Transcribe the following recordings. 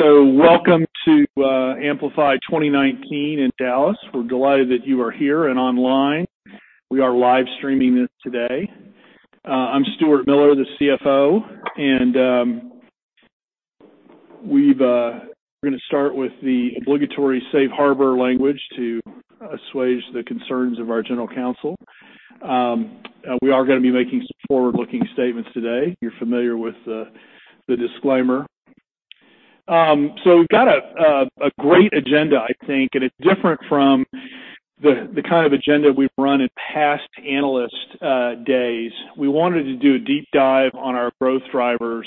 Welcome to Amplify 2019 in Dallas. We're delighted that you are here and online. We are live streaming this today. I'm Stuart Miller, the CFO, and we're going to start with the obligatory safe harbor language to assuage the concerns of our general counsel. We are going to be making some forward-looking statements today. You're familiar with the disclaimer. We've got a great agenda, I think, and it's different from the kind of agenda we've run in past analyst days. We wanted to do a deep dive on our growth drivers.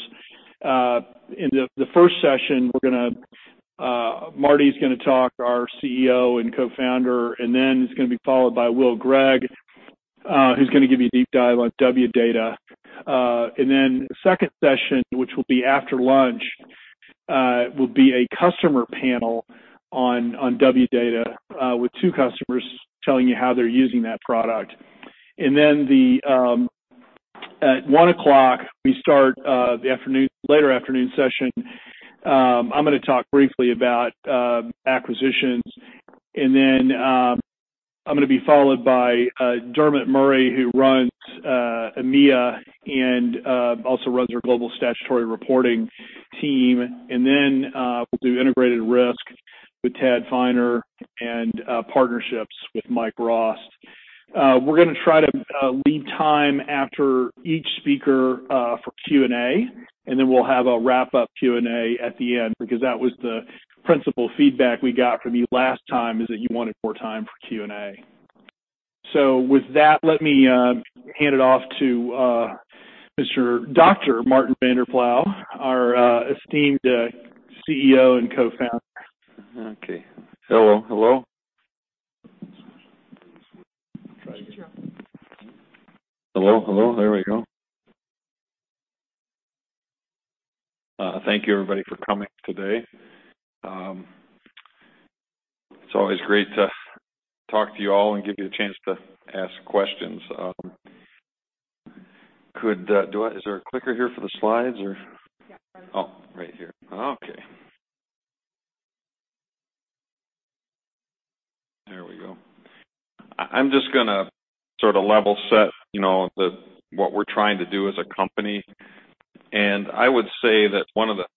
In the first session, Marty's going to talk, our CEO and co-founder, and then it's going to be followed by Will Gregg, who's going to give you a deep dive on Wdata. Second session, which will be after lunch, will be a customer panel on Wdata, with two customers telling you how they're using that product. At 1:00 P.M., we start the later afternoon session. I'm going to talk briefly about acquisitions, then I'm going to be followed by Dermot Murray, who runs EMEA and also runs our Global Statutory Reporting team. We'll do integrated risk with Tad Finer, and partnerships with Mike Rost. We're going to try to leave time after each speaker for Q&A, then we'll have a wrap-up Q&A at the end, because that was the principal feedback we got from you last time, is that you wanted more time for Q&A. With that, let me hand it off to Dr. Marty Vanderploeg, our esteemed CEO and co-founder. Okay. Hello? Hello? Hello, hello. There we go. Thank you, everybody, for coming today. It's always great to talk to you all and give you the chance to ask questions. Is there a clicker here for the slides or? Yeah. Oh, right here. Okay. There we go. I'm just going to sort of level set what we're trying to do as a company, and I would say that one of the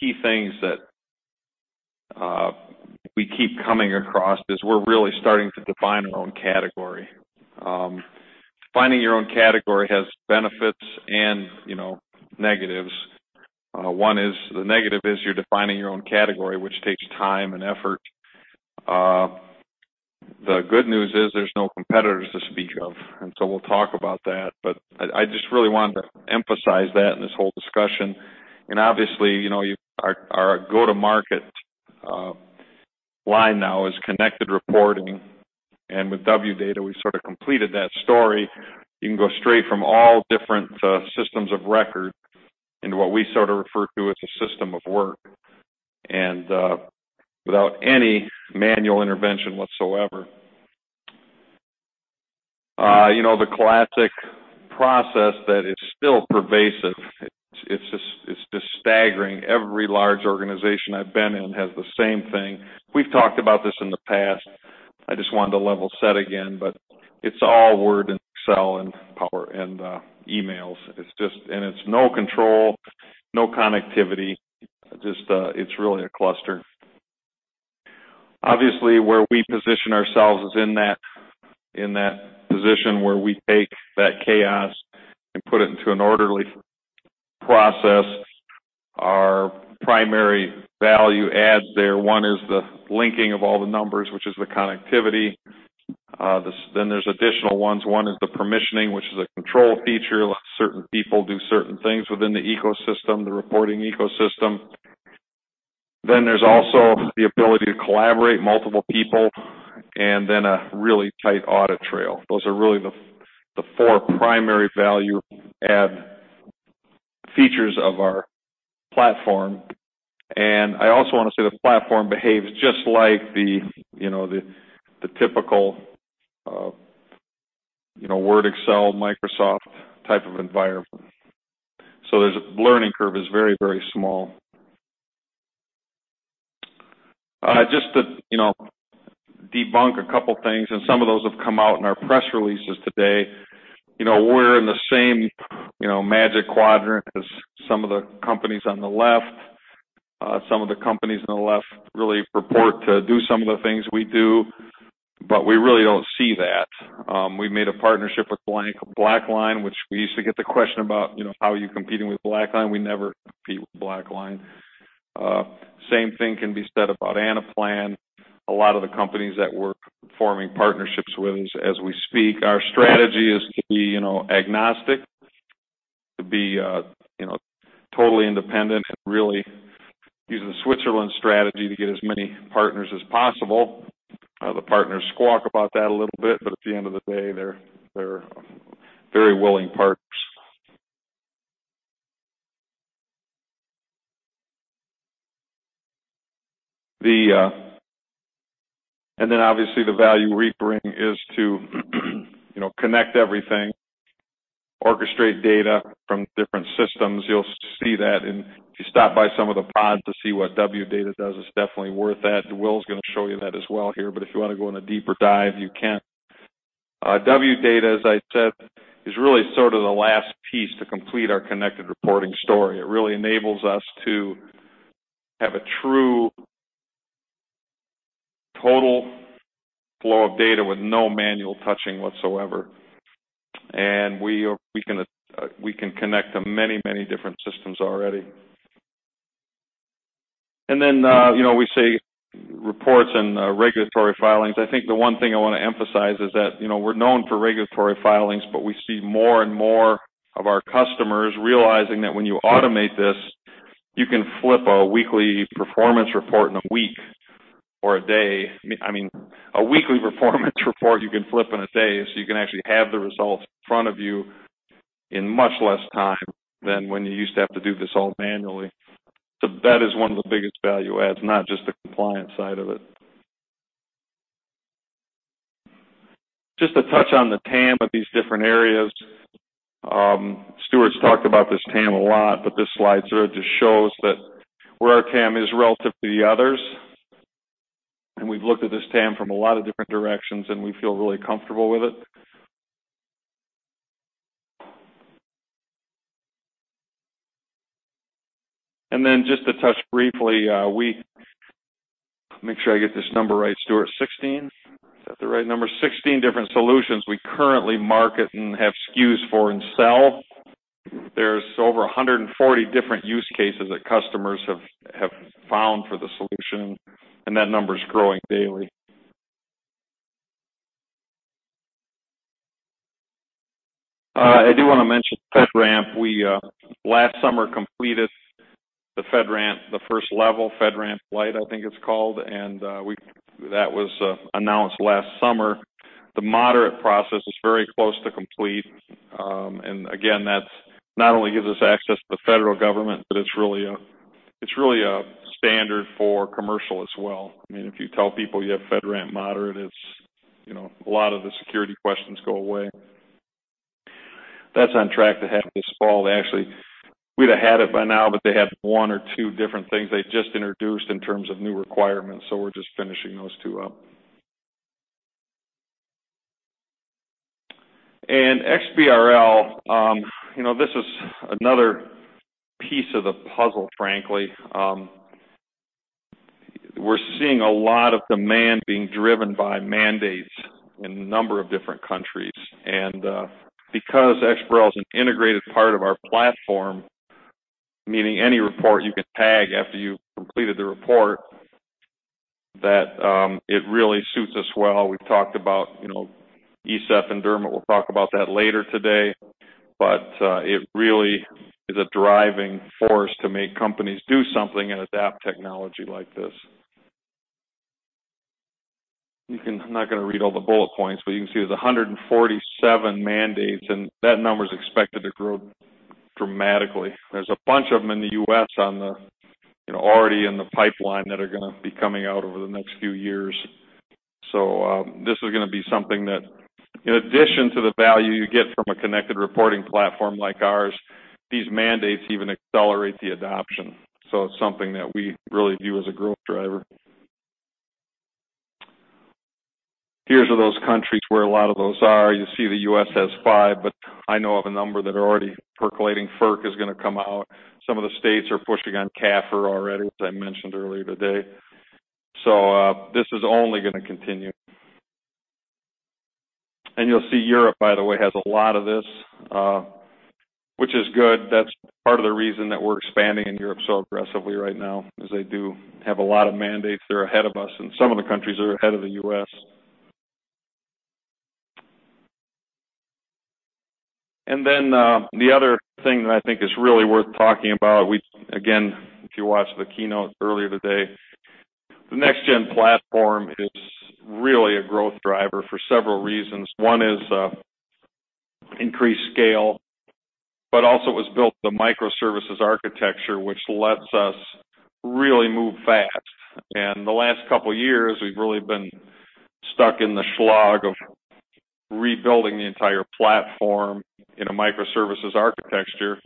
key things that we keep coming across is we're really starting to define our own category. Finding your own category has benefits and negatives. One is, the negative is you're defining your own category, which takes time and effort. The good news is there's no competitors to speak of, and so we'll talk about that. I just really wanted to emphasize that in this whole discussion. Obviously, our go-to-market line now is connected reporting. With Wdata, we sort of completed that story. You can go straight from all different systems of record into what we sort of refer to as a system of work, and without any manual intervention whatsoever. The classic process that is still pervasive, it's just staggering. Every large organization I've been in has the same thing. We've talked about this in the past. I just wanted to level set again. It's all Word and Excel and emails. It's no control, no connectivity. It's really a cluster. Obviously, where we position ourselves is in that position where we take that chaos and put it into an orderly process. Our primary value adds there, one is the linking of all the numbers, which is the connectivity. There's additional ones. One is the permissioning, which is a control feature. It lets certain people do certain things within the ecosystem, the reporting ecosystem. There's also the ability to collaborate multiple people, and then a really tight audit trail. Those are really the four primary value add features of our platform. I also want to say the platform behaves just like the typical Word, Excel, Microsoft type of environment. The learning curve is very small. Just to debunk a couple things, and some of those have come out in our press releases today. We're in the same magic quadrant as some of the companies on the left. Some of the companies on the left really purport to do some of the things we do, but we really don't see that. We made a partnership with BlackLine, which we used to get the question about, how are you competing with BlackLine? We never compete with BlackLine. Same thing can be said about Anaplan. A lot of the companies that we're forming partnerships with as we speak. Our strategy is to be agnostic, to be totally independent and really use the Switzerland strategy to get as many partners as possible. The partners squawk about that a little bit, at the end of the day, they're very willing partners. Obviously the value reaping is to connect everything, orchestrate data from different systems. You'll see that, if you stop by some of the pods to see what Wdata does, it's definitely worth that. Will's going to show you that as well here, if you want to go on a deeper dive, you can. Wdata, as I said, is really sort of the last piece to complete our connected reporting story. It really enables us to have a true total flow of data with no manual touching whatsoever. We can connect to many different systems already. We see reports and regulatory filings. I think the one thing I want to emphasize is that, we're known for regulatory filings, but we see more and more of our customers realizing that when you automate this, you can flip a weekly performance report in a week or a day, I mean, a weekly performance report you can flip in a day. You can actually have the results in front of you in much less time than when you used to have to do this all manually. That is one of the biggest value adds, not just the compliance side of it. Just to touch on the TAM of these different areas. Stuart's talked about this TAM a lot, but this slide sort of just shows that where our TAM is relative to the others. We've looked at this TAM from a lot of different directions, and we feel really comfortable with it. Just to touch briefly, make sure I get this number right, Stuart, 16? Is that the right number? 16 different solutions we currently market and have SKUs for and sell. There's over 140 different use cases that customers have found for the solution, and that number's growing daily. I do want to mention FedRAMP. We, last summer, completed the FedRAMP, the first level, FedRAMP LI-SaaS, I think it's called. That was announced last summer. The moderate process is very close to complete. That not only gives us access to the federal government, but it's really a standard for commercial as well. I mean, if you tell people you have FedRAMP moderate, a lot of the security questions go away. That's on track to happen this fall. Actually, we'd have had it by now, but they had one or two different things they just introduced in terms of new requirements, so we're just finishing those two up. XBRL, this is another piece of the puzzle, frankly. We're seeing a lot of demand being driven by mandates in a number of different countries. Because XBRL is an integrated part of our platform, meaning any report you can tag after you've completed the report, that it really suits us well. We've talked about ESEF, and Dermot will talk about that later today. It really is a driving force to make companies do something and adapt technology like this. I'm not going to read all the bullet points, but you can see there's 147 mandates, and that number's expected to grow dramatically. There's a bunch of them in the U.S. already in the pipeline that are going to be coming out over the next few years. This is going to be something that, in addition to the value you get from a connected reporting platform like ours, these mandates even accelerate the adoption. It's something that we really view as a growth driver. Here are those countries where a lot of those are. You see the U.S. has five, but I know of a number that are already percolating. FERC is going to come out. Some of the states are pushing on CAFR already, as I mentioned earlier today. This is only going to continue. You'll see Europe, by the way, has a lot of this, which is good. That's part of the reason that we're expanding in Europe so aggressively right now, is they do have a lot of mandates that are ahead of us, and some of the countries are ahead of the U.S. The other thing that I think is really worth talking about, again, if you watched the keynote earlier today, the NextGen platform is really a growth driver for several reasons. One is increased scale, but also it was built with a microservices architecture, which lets us really move fast. The last couple of years, we've really been stuck in the slog of rebuilding the entire platform in a microservices architecture.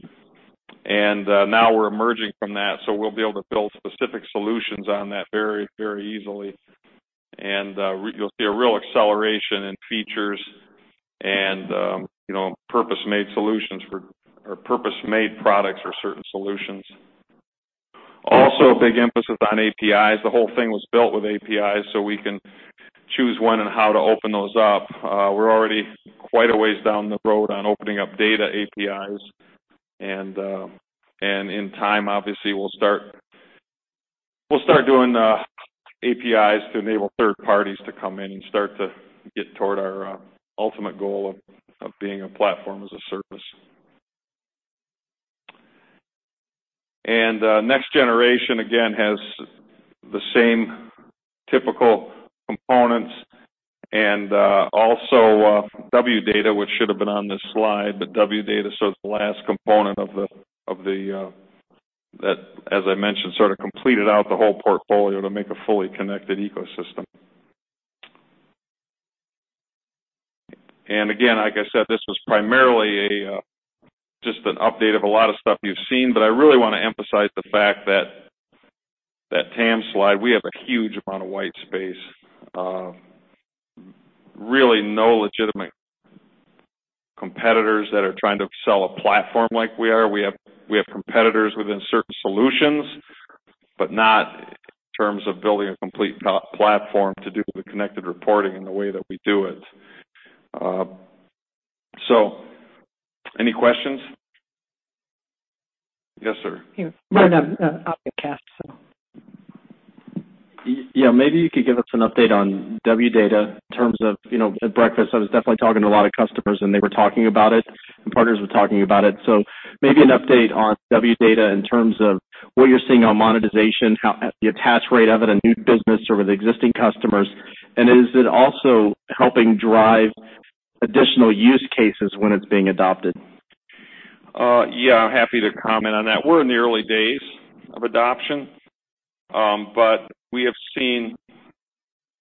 Now we're emerging from that, so we'll be able to build specific solutions on that very easily. You'll see a real acceleration in features and purpose-made products for certain solutions. Also, a big emphasis on APIs. The whole thing was built with APIs. We can choose when and how to open those up. We're already quite a ways down the road on opening up data APIs. In time, obviously, we'll start doing APIs to enable third parties to come in and start to get toward our ultimate goal of being a platform as a service. Next Generation, again, has the same typical components. Also Wdata, which should have been on this slide, Wdata is the last component of that, as I mentioned, sort of completed out the whole portfolio to make a fully connected ecosystem. Again, like I said, this was primarily just an update of a lot of stuff you've seen. I really want to emphasize the fact that that TAM slide, we have a huge amount of white space. Really no legitimate competitors that are trying to sell a platform like we are. We have competitors within certain solutions, but not in terms of building a complete platform to do the connected reporting in the way that we do it. Any questions? Yes, sir. Marty, I'll get [Cass]. Yeah. Maybe you could give us an update on Wdata. At breakfast, I was definitely talking to a lot of customers, and they were talking about it, and partners were talking about it. Maybe an update on Wdata in terms of what you're seeing on monetization, the attach rate of it and new business or with existing customers. Is it also helping drive additional use cases when it's being adopted? Yeah, I'm happy to comment on that. We're in the early days of adoption. We have seen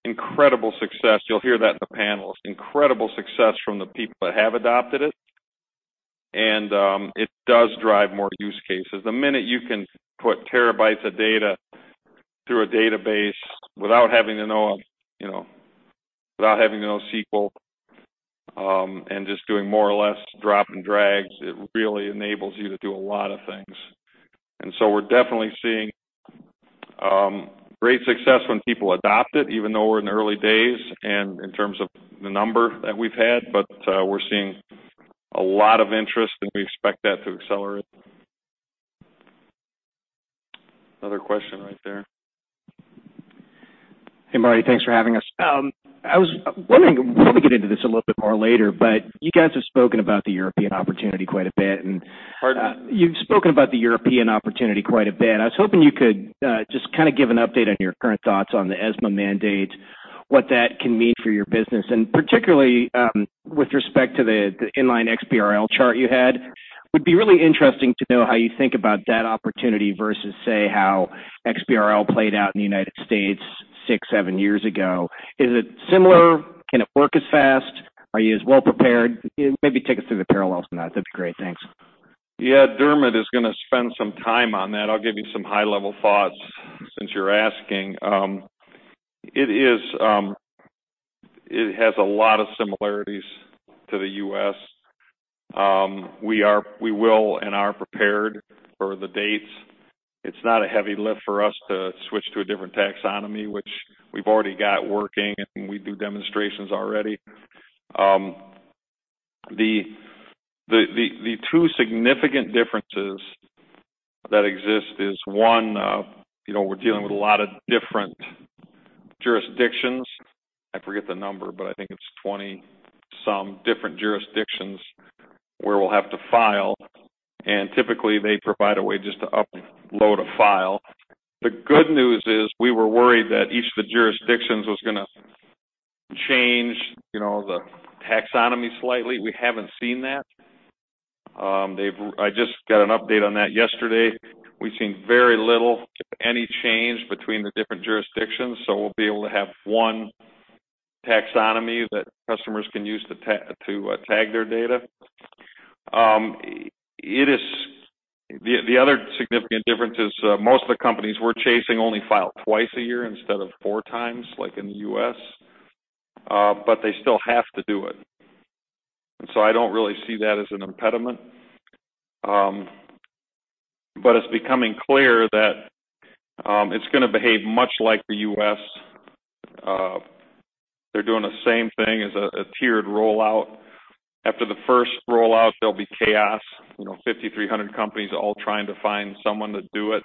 incredible success. You'll hear that in the panels, incredible success from the people that have adopted it, and it does drive more use cases. The minute you can put terabytes of data through a database without having to know SQL, and just doing more or less drop and drags, it really enables you to do a lot of things. We're definitely seeing great success when people adopt it, even though we're in the early days and in terms of the number that we've had. We're seeing a lot of interest, and we expect that to accelerate. Another question right there. Hey, Marty. Thanks for having us. I was wondering, we'll probably get into this a little bit more later, but you guys have spoken about the European opportunity quite a bit. Pardon? You've spoken about the European opportunity quite a bit. I was hoping you could just give an update on your current thoughts on the ESMA mandate, what that can mean for your business, and particularly, with respect to the Inline XBRL chart you had. Would be really interesting to know how you think about that opportunity versus, say, how XBRL played out in the U.S. six, seven years ago. Is it similar? Can it work as fast? Are you as well prepared? Maybe take us through the parallels on that. That'd be great. Thanks. Yeah. Dermot is going to spend some time on that. I will give you some high-level thoughts since you are asking. It has a lot of similarities to the U.S. We will and are prepared for the dates. It is not a heavy lift for us to switch to a different taxonomy, which we have already got working, and we do demonstrations already. The two significant differences that exist is one, we are dealing with a lot of different jurisdictions. I forget the number, but I think it is 20-some different jurisdictions where we will have to file, and typically they provide a way just to upload a file. The good news is we were worried that each of the jurisdictions was going to change the taxonomy slightly. We have not seen that. I just got an update on that yesterday. We've seen very little to any change between the different jurisdictions, so we'll be able to have one taxonomy that customers can use to tag their data. They still have to do it. I don't really see that as an impediment. It's becoming clear that it's going to behave much like the U.S. They're doing the same thing as a tiered rollout. After the first rollout, there'll be chaos, 5,300 companies all trying to find someone to do it.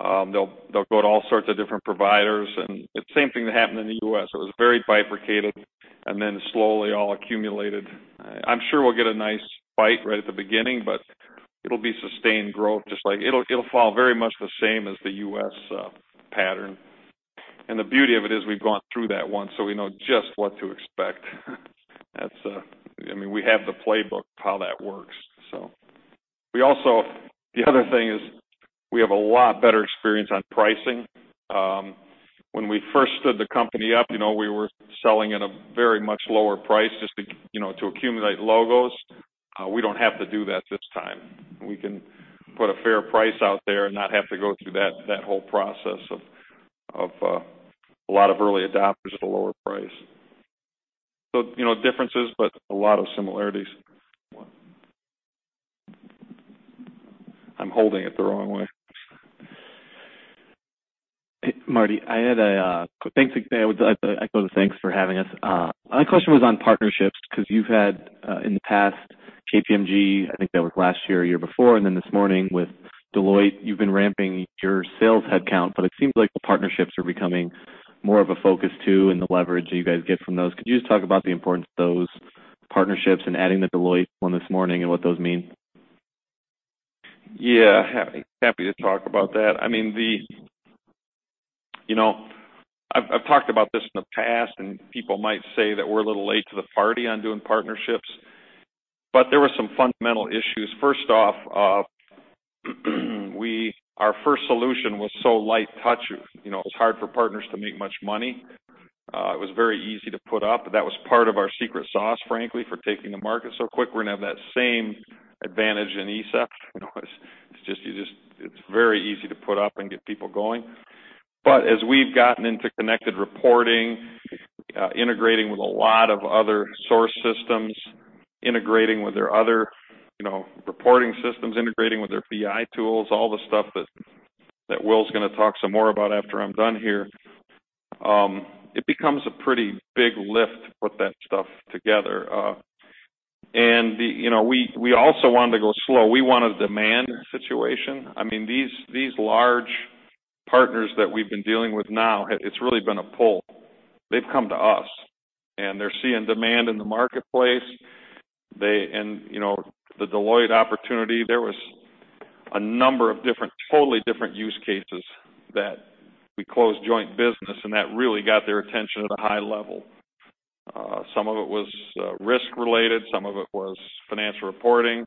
They'll go to all sorts of different providers, and the same thing that happened in the U.S. It was very bifurcated, and then slowly all accumulated. I'm sure we'll get a nice bite right at the beginning, but it'll be sustained growth. It'll follow very much the same as the U.S. pattern. The beauty of it is we've gone through that once, so we know just what to expect. We have the playbook how that works. The other thing is we have a lot better experience on pricing. When we first stood the company up, we were selling at a very much lower price just to accumulate logos. We don't have to do that this time. We can put a fair price out there and not have to go through that whole process of a lot of early adopters at a lower price. Differences, but a lot of similarities. I'm holding it the wrong way. Marty, thanks for having us. My question was on partnerships, because you've had, in the past, KPMG, I think that was last year or year before, and then this morning with Deloitte. You've been ramping your sales headcount, but it seems like the partnerships are becoming more of a focus, too, and the leverage that you guys get from those. Could you just talk about the importance of those partnerships and adding the Deloitte one this morning and what those mean? Yeah. Happy to talk about that. I've talked about this in the past. People might say that we're a little late to the party on doing partnerships. There were some fundamental issues. First off, our first solution was so light touch, it was hard for partners to make much money. It was very easy to put up. That was part of our secret sauce, frankly, for taking the market so quick. We're going to have that same advantage in ESEF. It's very easy to put up and get people going. As we've gotten into connected reporting, integrating with a lot of other source systems, integrating with their other reporting systems, integrating with their BI tools, all the stuff that Will's going to talk some more about after I'm done here, it becomes a pretty big lift to put that stuff together. We also wanted to go slow. We want a demand situation. These large partners that we've been dealing with now, it's really been a pull. They've come to us, and they're seeing demand in the marketplace. The Deloitte opportunity, there was a number of totally different use cases that we closed joint business, and that really got their attention at a high level. Some of it was risk related, some of it was financial reporting,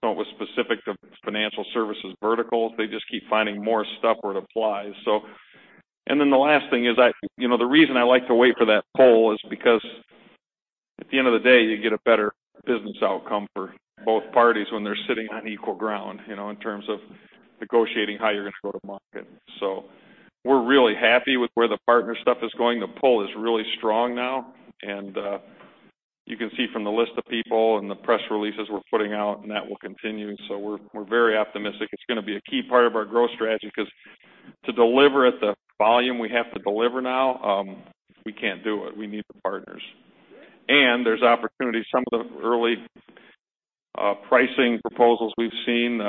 some of it was specific to financial services verticals. They just keep finding more stuff where it applies. The last thing is, the reason I like to wait for that pull is because at the end of the day, you get a better business outcome for both parties when they're sitting on equal ground, in terms of negotiating how you're going to go to market. We're really happy with where the partner stuff is going. The pull is really strong now, and you can see from the list of people and the press releases we're putting out, and that will continue. We're very optimistic. It's going to be a key part of our growth strategy, because to deliver at the volume we have to deliver now, we can't do it. We need the partners. There's opportunities. Some of the early pricing proposals we've seen,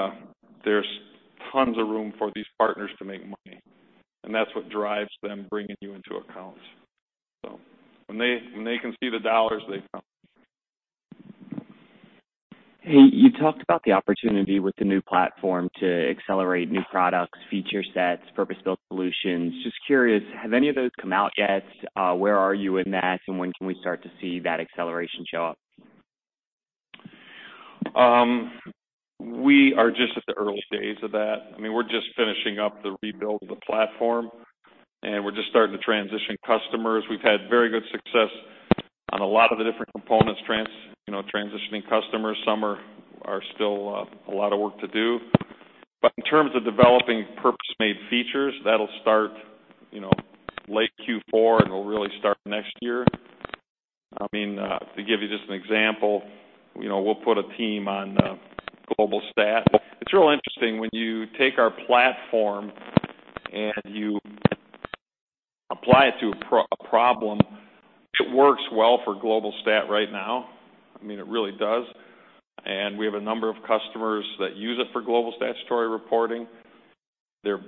there's tons of room for these partners to make money, and that's what drives them bringing you into accounts. When they can see the dollars, they come. Hey, you talked about the opportunity with the new platform to accelerate new products, feature sets, purpose-built solutions. Just curious, have any of those come out yet? Where are you in that, and when can we start to see that acceleration show up? We are just at the early days of that. We're just finishing up the rebuild of the platform, and we're just starting to transition customers. We've had very good success on a lot of the different components transitioning customers. Some are still a lot of work to do. In terms of developing purpose-made features, that'll start late Q4, and it'll really start next year. To give you just an example, we'll put a team on Global Stat. It's real interesting, when you take our platform and you apply it to a problem, it works well for Global Stat right now. It really does. We have a number of customers that use it for Global Statutory Reporting. They're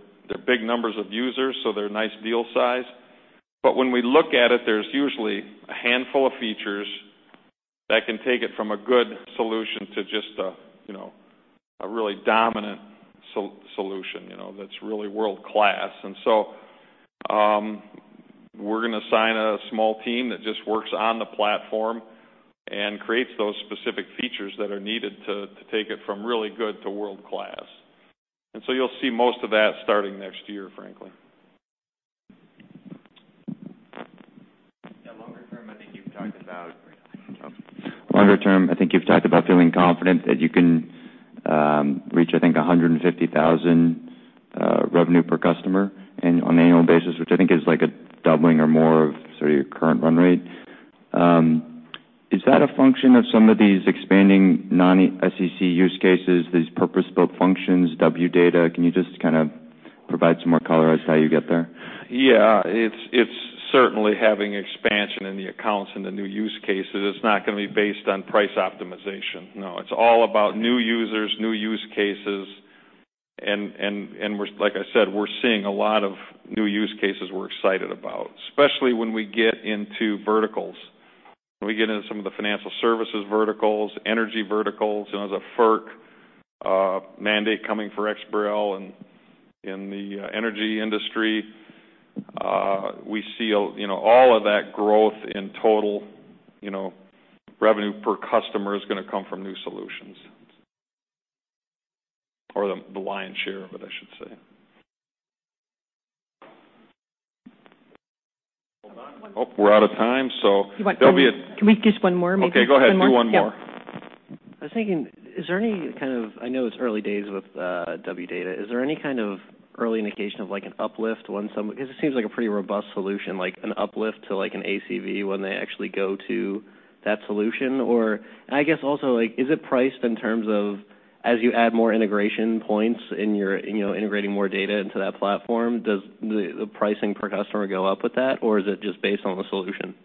big numbers of users, so they're a nice deal size. When we look at it, there's usually a handful of features that can take it from a good solution to just a really dominant solution that's really world-class. We're going to assign a small team that just works on the platform and creates those specific features that are needed to take it from really good to world-class. You'll see most of that starting next year, frankly. Yeah. Longer term, I think you've talked about feeling confident that you can reach, I think, $150,000 revenue per customer on an annual basis, which I think is like a doubling or more of sort of your current run rate. Is that a function of some of these expanding non-SEC use cases, these purpose-built functions, Wdata? Can you just kind of provide some more color as to how you get there? Yeah. It's certainly having expansion in the accounts and the new use cases. It's not going to be based on price optimization. No, it's all about new users, new use cases, and like I said, we're seeing a lot of new use cases we're excited about, especially when we get into verticals. When we get into some of the financial services verticals, energy verticals. There's a FERC mandate coming for XBRL in the energy industry. We see all of that growth in total revenue per customer is going to come from new solutions. Or the lion's share of it, I should say. Hold on. Oh, we're out of time. Can we do just one more maybe? Okay, go ahead. Do one more. Yeah. I was thinking, I know it's early days with Wdata. Is there any kind of early indication of like an uplift when Because it seems like a pretty robust solution, like an uplift to like an ACV when they actually go to that solution. I guess also, is it priced in terms of as you add more integration points and you're integrating more data into that platform, does the pricing per customer go up with that, or is it just based on the solution?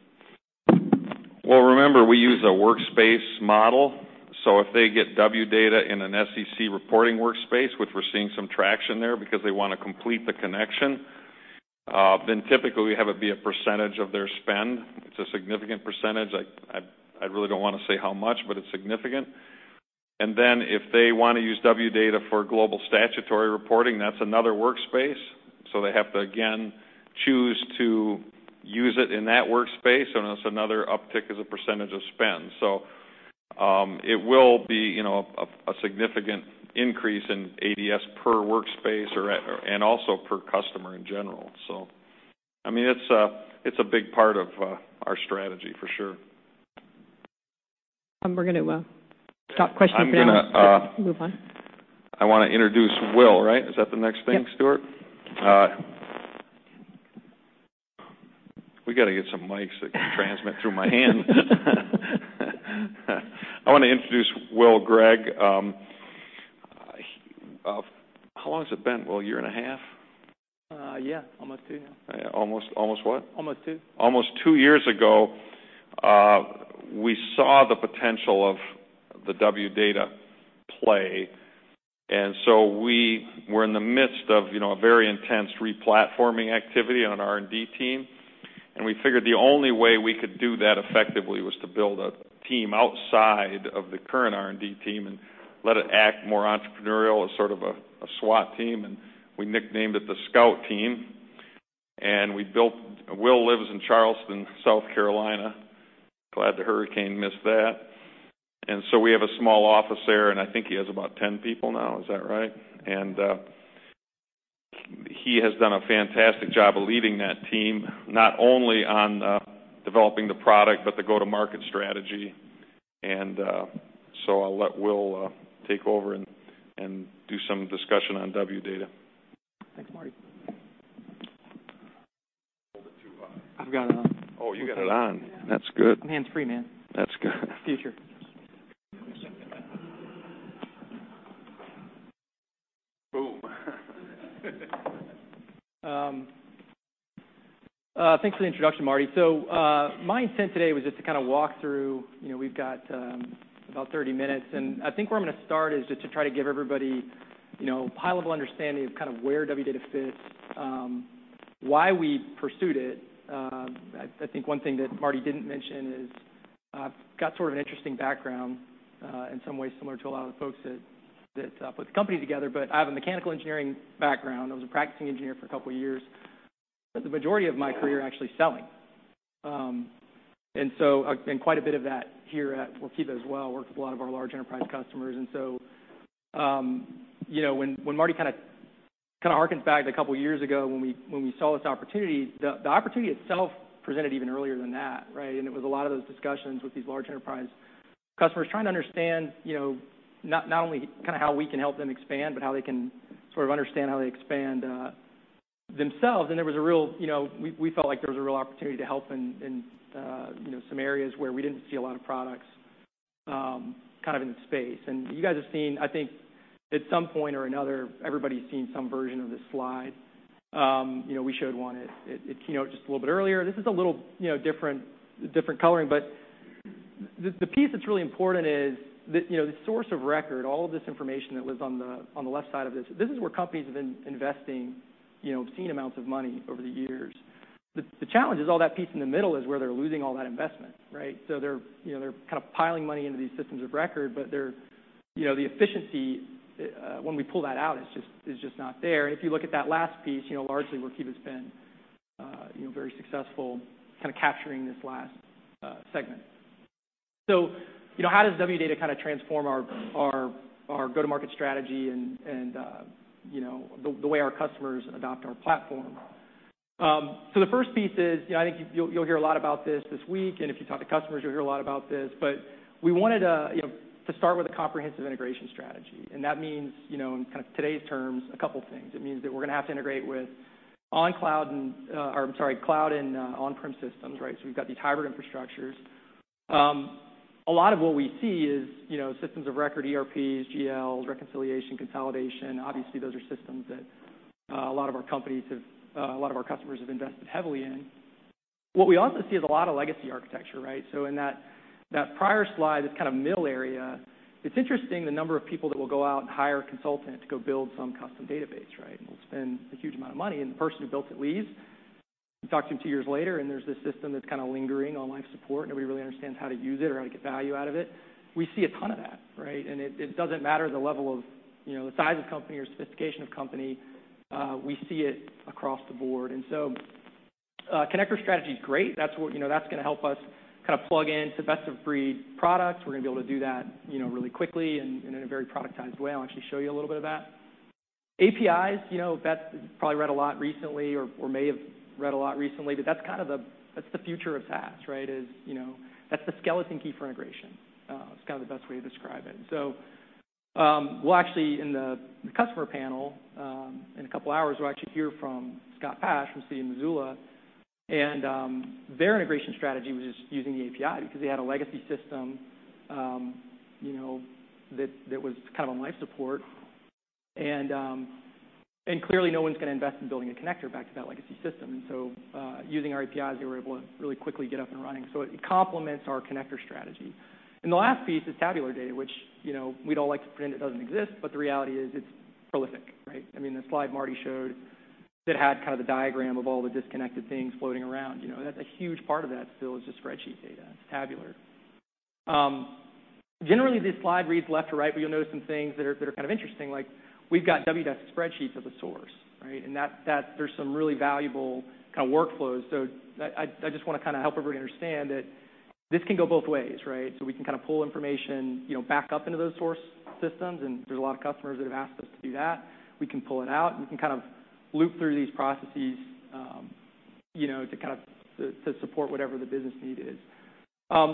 Well, remember, we use a workspace model. If they get Wdata in an SEC reporting workspace, which we're seeing some traction there because they want to complete the connection. Typically we have it be a percentage of their spend. It's a significant percentage. I really don't want to say how much, but it's significant. If they want to use Wdata for Global Statutory Reporting, that's another workspace. They have to, again, choose to use it in that workspace, and it's another uptick as a percentage of spend. It will be a significant increase in ACV per workspace and also per customer in general. It's a big part of our strategy, for sure. We're going to stop questions now. I'm going to- Move on. I want to introduce Will, right? Is that the next thing, Stuart? Yep. We got to get some mics that can transmit through my hand. I want to introduce Will Gregg. How long has it been, Will, a year and a half? Yeah. Almost two, yeah. Almost what? Almost two. Almost two years ago, we saw the potential of the Wdata play. We were in the midst of a very intense replatforming activity on our R&D team, and we figured the only way we could do that effectively was to build a team outside of the current R&D team and let it act more entrepreneurial as sort of a SWAT team, and we nicknamed it the Scout Team. Will lives in Charleston, South Carolina. Glad the hurricane missed that. We have a small office there, and I think he has about 10 people now. Is that right? He has done a fantastic job of leading that team, not only on developing the product, but the go-to-market strategy. I'll let Will take over and do some discussion on Wdata. Thanks, Marty. I've got it on. Oh, you got it on. That's good. I'm hands-free, man. That's good. Future. Boom. Thanks for the introduction, Marty. My intent today was just to kind of walk through, we've got about 30 minutes, and I think where I'm going to start is just to try to give everybody a high-level understanding of where Wdata fits, why we pursued it. I think one thing that Marty didn't mention is, I've got sort of an interesting background, in some ways similar to a lot of the folks that put the company together. I have a mechanical engineering background. I was a practicing engineer for a couple of years, but the majority of my career actually selling. Quite a bit of that here at Workiva as well, worked with a lot of our large enterprise customers. When Marty kind of hearkens back a couple of years ago when we saw this opportunity, the opportunity itself presented even earlier than that, right? It was a lot of those discussions with these large enterprise customers trying to understand, not only how we can help them expand, but how they can sort of understand how they expand themselves. We felt like there was a real opportunity to help in some areas where we didn't see a lot of products in the space. You guys have seen, I think at some point or another, everybody's seen some version of this slide. We showed one at keynote just a little bit earlier. This is a little different coloring, but the piece that's really important is the source of record, all of this information that was on the left side of this is where companies have been investing obscene amounts of money over the years. The challenge is all that piece in the middle is where they're losing all that investment, right? They're kind of piling money into these systems of record, but the efficiency, when we pull that out, is just not there. If you look at that last piece, largely Workiva's been very successful capturing this last segment. How does Wdata transform our go-to-market strategy and the way our customers adopt our platform? The first piece is, I think you'll hear a lot about this this week, and if you talk to customers, you'll hear a lot about this, but we wanted to start with a comprehensive integration strategy. That means, in kind of today's terms, a couple things. It means that we're going to have to integrate with cloud and on-prem systems, right? We've got these hybrid infrastructures. A lot of what we see is systems of record, ERPs, GLs, reconciliation, consolidation. Obviously, those are systems that a lot of our customers have invested heavily in. What we also see is a lot of legacy architecture, right? In that prior slide, this kind of middle area, it's interesting the number of people that will go out and hire a consultant to go build some custom database, right? We'll spend a huge amount of money, and the person who built it leaves. You talk to them two years later, and there's this system that's kind of lingering on life support. Nobody really understands how to use it or how to get value out of it. We see a ton of that, right? It doesn't matter the size of company or sophistication of company. We see it across the board. Connector strategy is great. That's going to help us plug into best-of-breed products. We're going to be able to do that really quickly and in a very productized way. I'll actually show you a little bit of that. APIs, you probably read a lot recently or may have read a lot recently, that's the future of SaaS, right? That's the skeleton key for integration. It's kind of the best way to describe it. We'll actually, in the customer panel, in a couple of hours, we'll actually hear from Scott Pach from City of Missoula. Their integration strategy was just using the API because they had a legacy system that was kind of on life support. Clearly, no one's going to invest in building a connector back to that legacy system. Using our APIs, they were able to really quickly get up and running. It complements our connector strategy. The last piece is tabular data, which we'd all like to pretend it doesn't exist, but the reality is it's prolific, right? I mean, the slide Marty showed that had the diagram of all the disconnected things floating around. That's a huge part of that still is just spreadsheet data. It's tabular. Generally, this slide reads left to right, but you'll notice some things that are interesting, like we've got Wdesk spreadsheets as a source, right? There's some really valuable workflows. I just want to help everybody understand that this can go both ways, right? We can pull information back up into those source systems, and there's a lot of customers that have asked us to do that. We can pull it out, and we can loop through these processes to support whatever the business need is.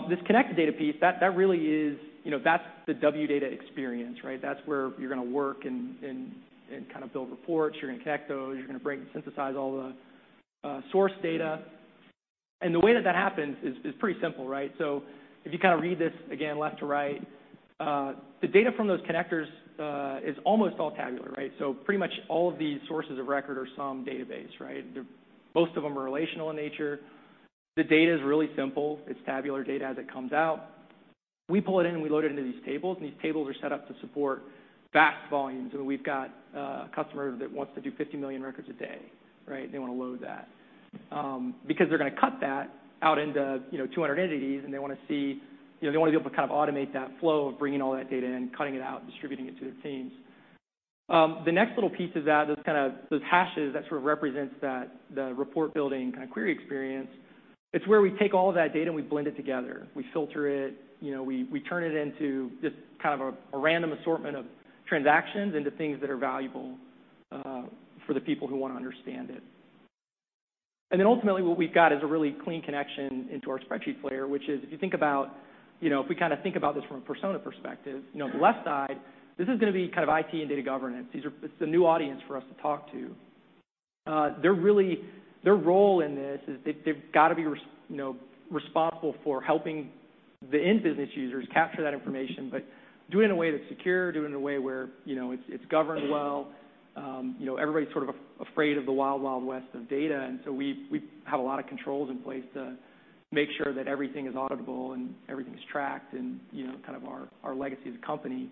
This connected data piece, that's the Wdata experience, right? That's where you're going to work and build reports. You're going to connect those. You're going to bring and synthesize all the source data. The way that that happens is pretty simple, right? If you read this, again, left to right, the data from those connectors is almost all tabular, right? Pretty much all of these sources of record are some database, right? Most of them are relational in nature. The data's really simple. It's tabular data as it comes out. We pull it in and we load it into these tables, and these tables are set up to support vast volumes. We've got a customer that wants to do 50 million records a day, right? They want to load that. They're going to cut that out into 200 entities and they want to be able to automate that flow of bringing all that data in, cutting it out, and distributing it to their teams. The next little piece of that, those hashes that sort of represents the report building query experience, it's where we take all that data and we blend it together. We filter it. We turn it into just a random assortment of transactions into things that are valuable for the people who want to understand it. Ultimately, what we've got is a really clean connection into our spreadsheet layer, which is if we think about this from a persona perspective, the left side, this is going to be IT and data governance. It's the new audience for us to talk to. Their role in this is they've got to be responsible for helping the end business users capture that information, but do it in a way that's secure, do it in a way where it's governed well. Everybody's sort of afraid of the Wild Wild West of data, so we have a lot of controls in place to make sure that everything is auditable and everything's tracked and kind of our legacy as a company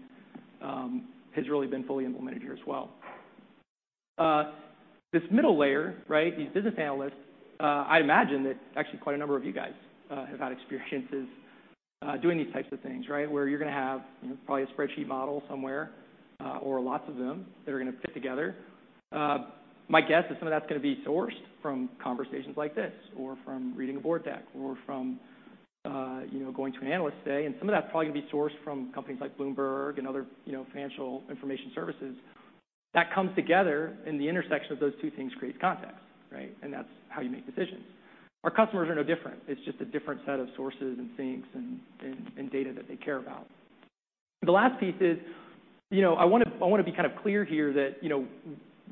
has really been fully implemented here as well. This middle layer, right, these business analysts, I imagine that actually quite a number of you guys have had experiences doing these types of things, right? Where you're going to have probably a spreadsheet model somewhere, or lots of them that are going to fit together. My guess is some of that's going to be sourced from conversations like this or from reading a board deck or from going to an analyst day. Some of that's probably going to be sourced from companies like Bloomberg and other financial information services. That comes together, the intersection of those two things creates context, right? That's how you make decisions. Our customers are no different. It's just a different set of sources and syncs and data that they care about. The last piece is I want to be clear here that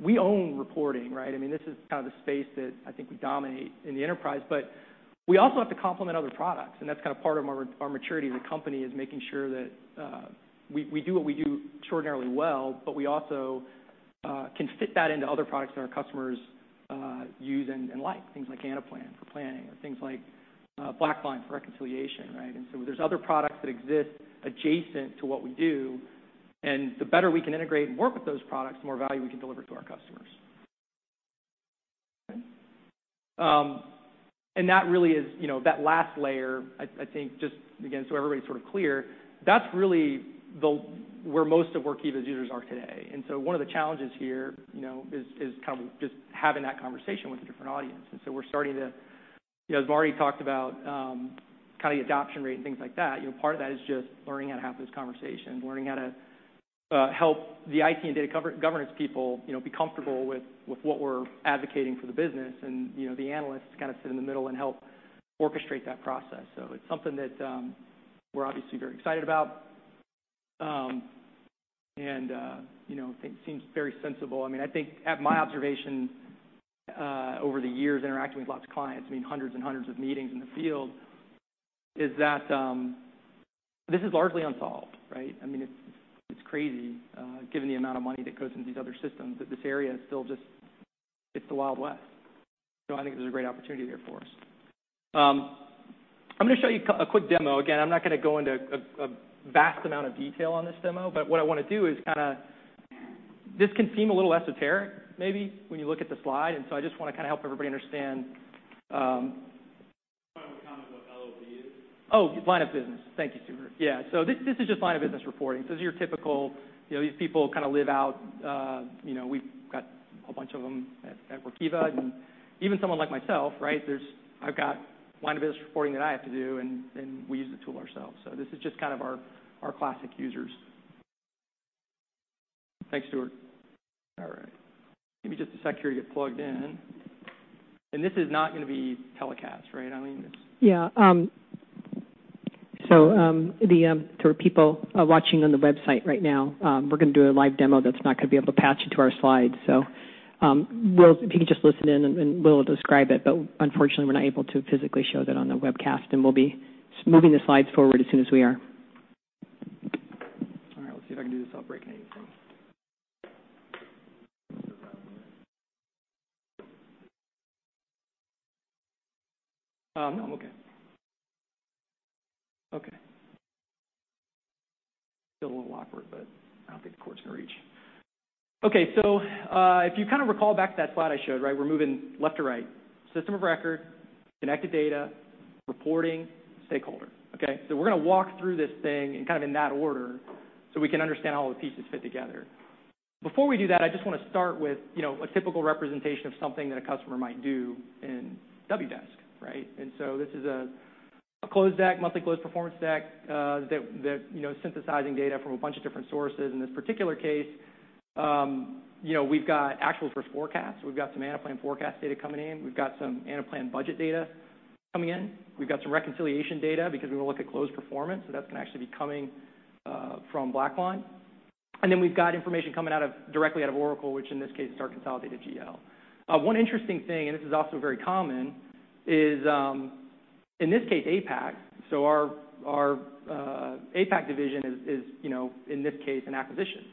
we own reporting, right? This is the space that I think we dominate in the enterprise, we also have to complement other products, that's part of our maturity as a company is making sure that we do what we do extraordinarily well, we also can fit that into other products that our customers use and like. Things like Anaplan for planning or things like BlackLine for reconciliation, right? There's other products that exist adjacent to what we do, and the better we can integrate and work with those products, the more value we can deliver to our customers. Okay. That last layer, I think just, again, so everybody's clear, that's really where most of Workiva's users are today. One of the challenges here is just having that conversation with a different audience. We're starting to, as I've already talked about the adoption rate and things like that, part of that is just learning how to have those conversations, learning how to help the IT and data governance people be comfortable with what we're advocating for the business and the analysts sit in the middle and help orchestrate that process. It's something that we're obviously very excited about. It seems very sensible. I think my observation over the years interacting with lots of clients, hundreds and hundreds of meetings in the field, is that this is largely unsolved, right? It's crazy given the amount of money that goes into these other systems, that this area is still just the Wild West. I think there's a great opportunity there for us. I'm going to show you a quick demo. Again, I'm not going to go into a vast amount of detail on this demo, what I want to do is, this can seem a little esoteric maybe when you look at the slide, I just want to help everybody understand. Can you remind me, Tom, what LOB is? Line of business. Thank you, Stuart. Yeah. This is just line of business reporting. This is your typical, we've got a bunch of them at Workiva, and even someone like myself, right? I've got line of business reporting that I have to do, and we use the tool ourselves. This is just our classic users. Thanks, Stuart. All right. Give me just a sec here to get plugged in. This is not going to be telecast, right? Yeah. The people watching on the website right now, we're going to do a live demo that's not going to be able to patch into our slides. If you can just listen in, and we'll describe it, but unfortunately, we're not able to physically show that on the webcast, and we'll be moving the slides forward as soon as we are. All right. Let's see if I can do this without breaking anything. No, I'm okay. Okay. Still a little awkward, but I don't think the cord's going to reach. Okay. If you recall back to that slide I showed, we're moving left to right, system of record, connected data, reporting, stakeholder. Okay. We're going to walk through this thing in that order so we can understand how all the pieces fit together. Before we do that, I just want to start with a typical representation of something that a customer might do in Wdesk, right? This is a close deck, monthly close performance deck, that's synthesizing data from a bunch of different sources. In this particular case, we've got actual versus forecast. We've got some Anaplan forecast data coming in. We've got some Anaplan budget data coming in. We've got some reconciliation data because we want to look at close performance, that's going to actually be coming from BlackLine. Then we've got information coming directly out of Oracle, which in this case is our consolidated GL. One interesting thing, and this is also very common, is, in this case, APAC. Our APAC division is, in this case, an acquisition.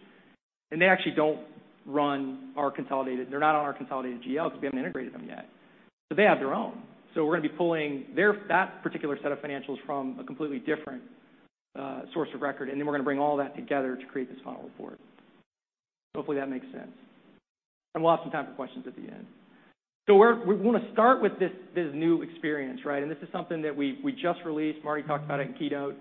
They actually don't run our consolidated GL because we haven't integrated them yet. They have their own. We're going to be pulling that particular set of financials from a completely different source of record, and then we're going to bring all that together to create this final report. Hopefully, that makes sense. We'll have some time for questions at the end. We want to start with this new experience, right? This is something that we just released. Marty talked about it in keynote.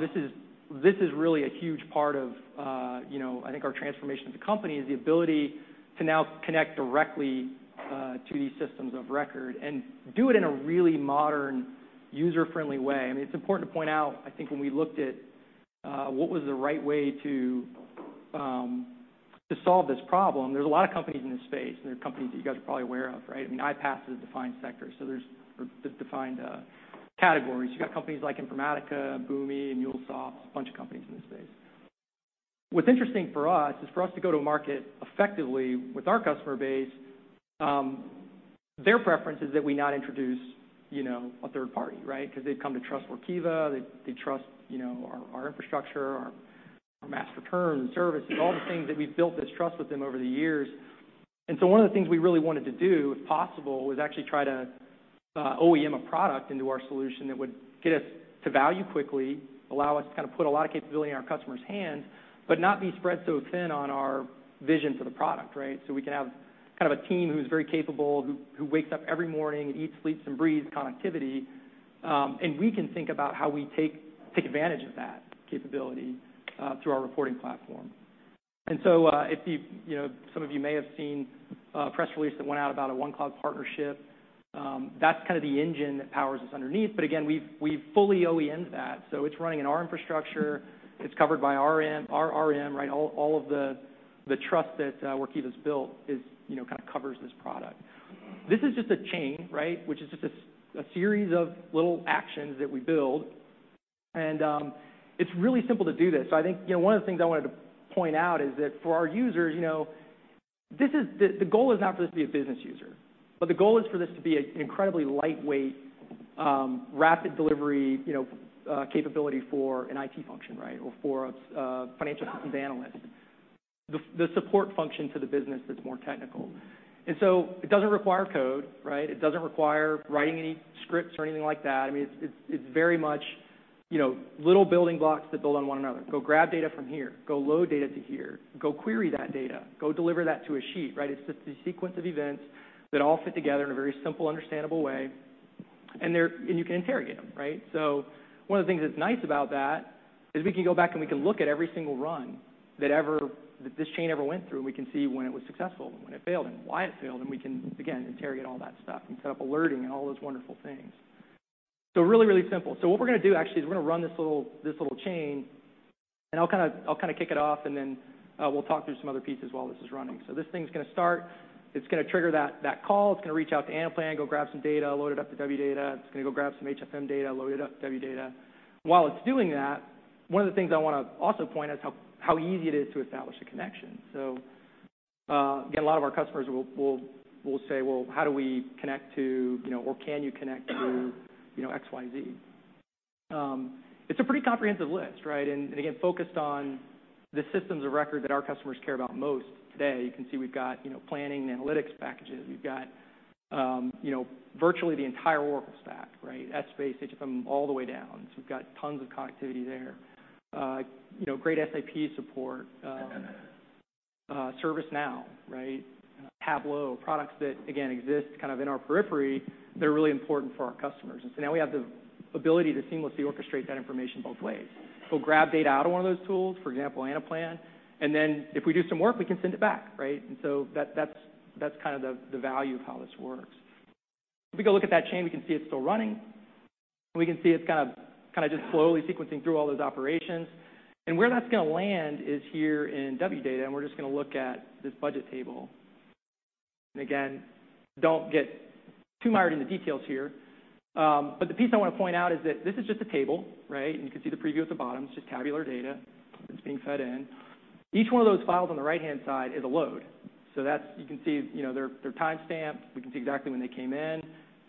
This is really a huge part of, I think, our transformation as a company, is the ability to now connect directly to these systems of record and do it in a really modern, user-friendly way. It's important to point out, I think when we looked at what was the right way to solve this problem, there's a lot of companies in this space, and they're companies that you guys are probably aware of, right? I mean, iPaaS is a defined sector. There's defined categories. You've got companies like Informatica, Boomi, and MuleSoft, a bunch of companies in this space. What's interesting for us is for us to go to market effectively with our customer base, their preference is that we not introduce a third party, right? Because they've come to trust Workiva, they trust our infrastructure, our master term service, and all the things that we've built this trust with them over the years. One of the things we really wanted to do, if possible, was actually try to OEM a product into our solution that would get us to value quickly, allow us to put a lot of capability in our customers' hands, but not be spread so thin on our vision for the product, right? We can have a team who's very capable, who wakes up every morning and eats, sleeps, and breathes connectivity, and we can think about how we take advantage of that capability through our reporting platform. Some of you may have seen a press release that went out about a OneCloud partnership. That's kind of the engine that powers us underneath. Again, we've fully OEM'd that. It's running in our infrastructure. It's covered by our RM. All of the trust that Workiva's built covers this product. This is just a Chain, which is just a series of little actions that we build, and it's really simple to do this. I think one of the things I wanted to point out is that for our users, the goal is not for this to be a business user, but the goal is for this to be an incredibly lightweight rapid delivery capability for an IT function, or for a financial systems analyst, the support function to the business that's more technical. It doesn't require code. It doesn't require writing any scripts or anything like that. It's very much little building blocks that build on one another. Go grab data from here, go load data to here, go query that data, go deliver that to a sheet. It's just a sequence of events that all fit together in a very simple, understandable way, and you can interrogate them. One of the things that's nice about that is we can go back, and we can look at every single run that this chain ever went through, and we can see when it was successful and when it failed and why it failed, and we can, again, interrogate all that stuff and set up alerting and all those wonderful things. Really, really simple. What we're going to do, actually, is we're going to run this little chain, and I'll kind of kick it off, and then we'll talk through some other pieces while this is running. This thing's going to start. It's going to trigger that call. It's going to reach out to Anaplan, go grab some data, load it up to Wdata. It's going to go grab some HFM data, load it up to Wdata. While it's doing that, one of the things I want to also point out is how easy it is to establish a connection. Again, a lot of our customers will say, "Well, how do we connect to," or, "Can you connect to XYZ?" It's a pretty comprehensive list, right? Again, focused on the systems of record that our customers care about most today. You can see we've got planning, analytics packages. We've got virtually the entire Oracle stack. Essbase, HFM, all the way down. We've got tons of connectivity there. Great SAP support. ServiceNow. Tableau. Products that, again, exist kind of in our periphery that are really important for our customers. Now we have the ability to seamlessly orchestrate that information both ways. We'll grab data out of one of those tools, for example, Anaplan, and then if we do some work, we can send it back. That's kind of the value of how this works. If we go look at that chain, we can see it's still running, and we can see it's kind of just slowly sequencing through all those operations. Where that's going to land is here in Wdata, and we're just going to look at this budget table. Again, don't get too mired in the details here. The piece I want to point out is that this is just a table, and you can see the preview at the bottom. It's just tabular data that's being fed in. Each one of those files on the right-hand side is a load. You can see they're timestamped. We can see exactly when they came in.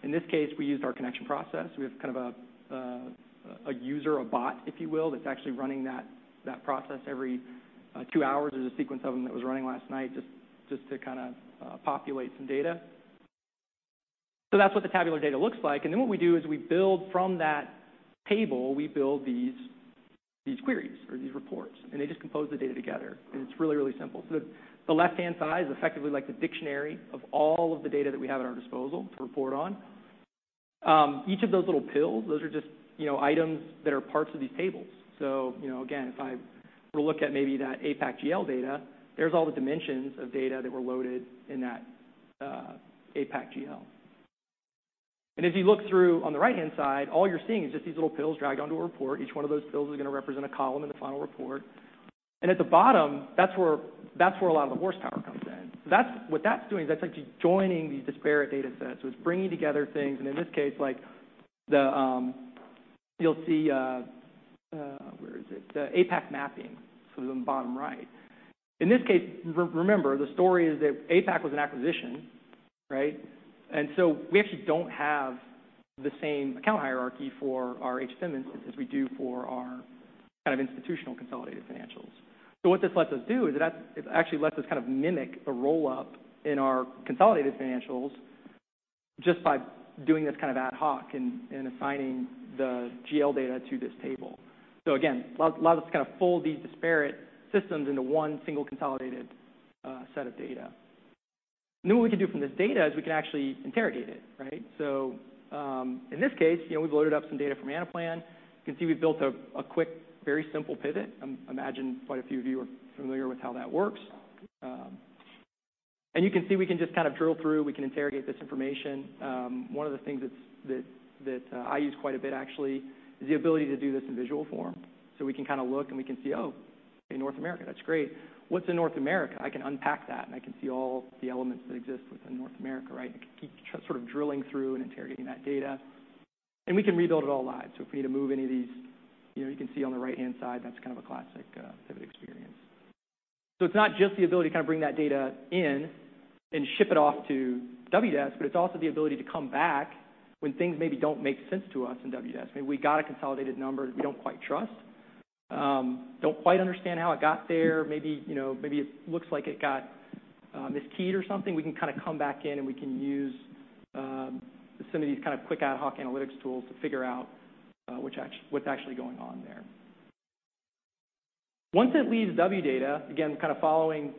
In this case, we used our connection process. We have kind of a user, a bot, if you will, that's actually running that process every two hours. There's a sequence of them that was running last night just to kind of populate some data. That's what the tabular data looks like. What we do is we build from that table, we build these queries or these reports, and they just compose the data together, and it's really, really simple. The left-hand side is effectively like the dictionary of all of the data that we have at our disposal to report on. Each of those little pills, those are just items that are parts of these tables. Again, if I were to look at maybe that APAC GL data, there's all the dimensions of data that were loaded in that APAC GL. As you look through on the right-hand side, all you're seeing is just these little pills dragged onto a report. Each one of those pills is going to represent a column in the final report. At the bottom, that's where a lot of the horsepower comes in. What that's doing is that's actually joining these disparate data sets. It's bringing together things, and in this case, you'll see, where is it? The APAC mapping, sort of in the bottom right. In this case, remember, the story is that APAC was an acquisition, right? We actually don't have the same account hierarchy for our HFM instance as we do for our kind of institutional consolidated financials. What this lets us do is it actually lets us kind of mimic a roll-up in our consolidated financials just by doing this kind of ad hoc and assigning the GL data to this table. Again, allows us to kind of fold these disparate systems into one single consolidated set of data. What we can do from this data is we can actually interrogate it, right? In this case, we've loaded up some data from Anaplan. You can see we've built a quick, very simple pivot. I imagine quite a few of you are familiar with how that works. You can see we can just kind of drill through, we can interrogate this information. One of the things that I use quite a bit, actually, is the ability to do this in visual form. We can look and we can see, oh, in North America, that's great. What's in North America? I can unpack that and I can see all the elements that exist within North America, right? I can keep sort of drilling through and interrogating that data. We can rebuild it all live. If we need to move any of these, you can see on the right-hand side, that's kind of a classic pivot experience. It's not just the ability to bring that data in and ship it off to Wdesk, but it's also the ability to come back when things maybe don't make sense to us in Wdesk. Maybe we got a consolidated number that we don't quite trust, don't quite understand how it got there. Maybe it looks like it got miskeyed or something. We can come back in and we can use some of these quick ad hoc analytics tools to figure out what's actually going on there. Once it leaves Wdata, again, kind of following,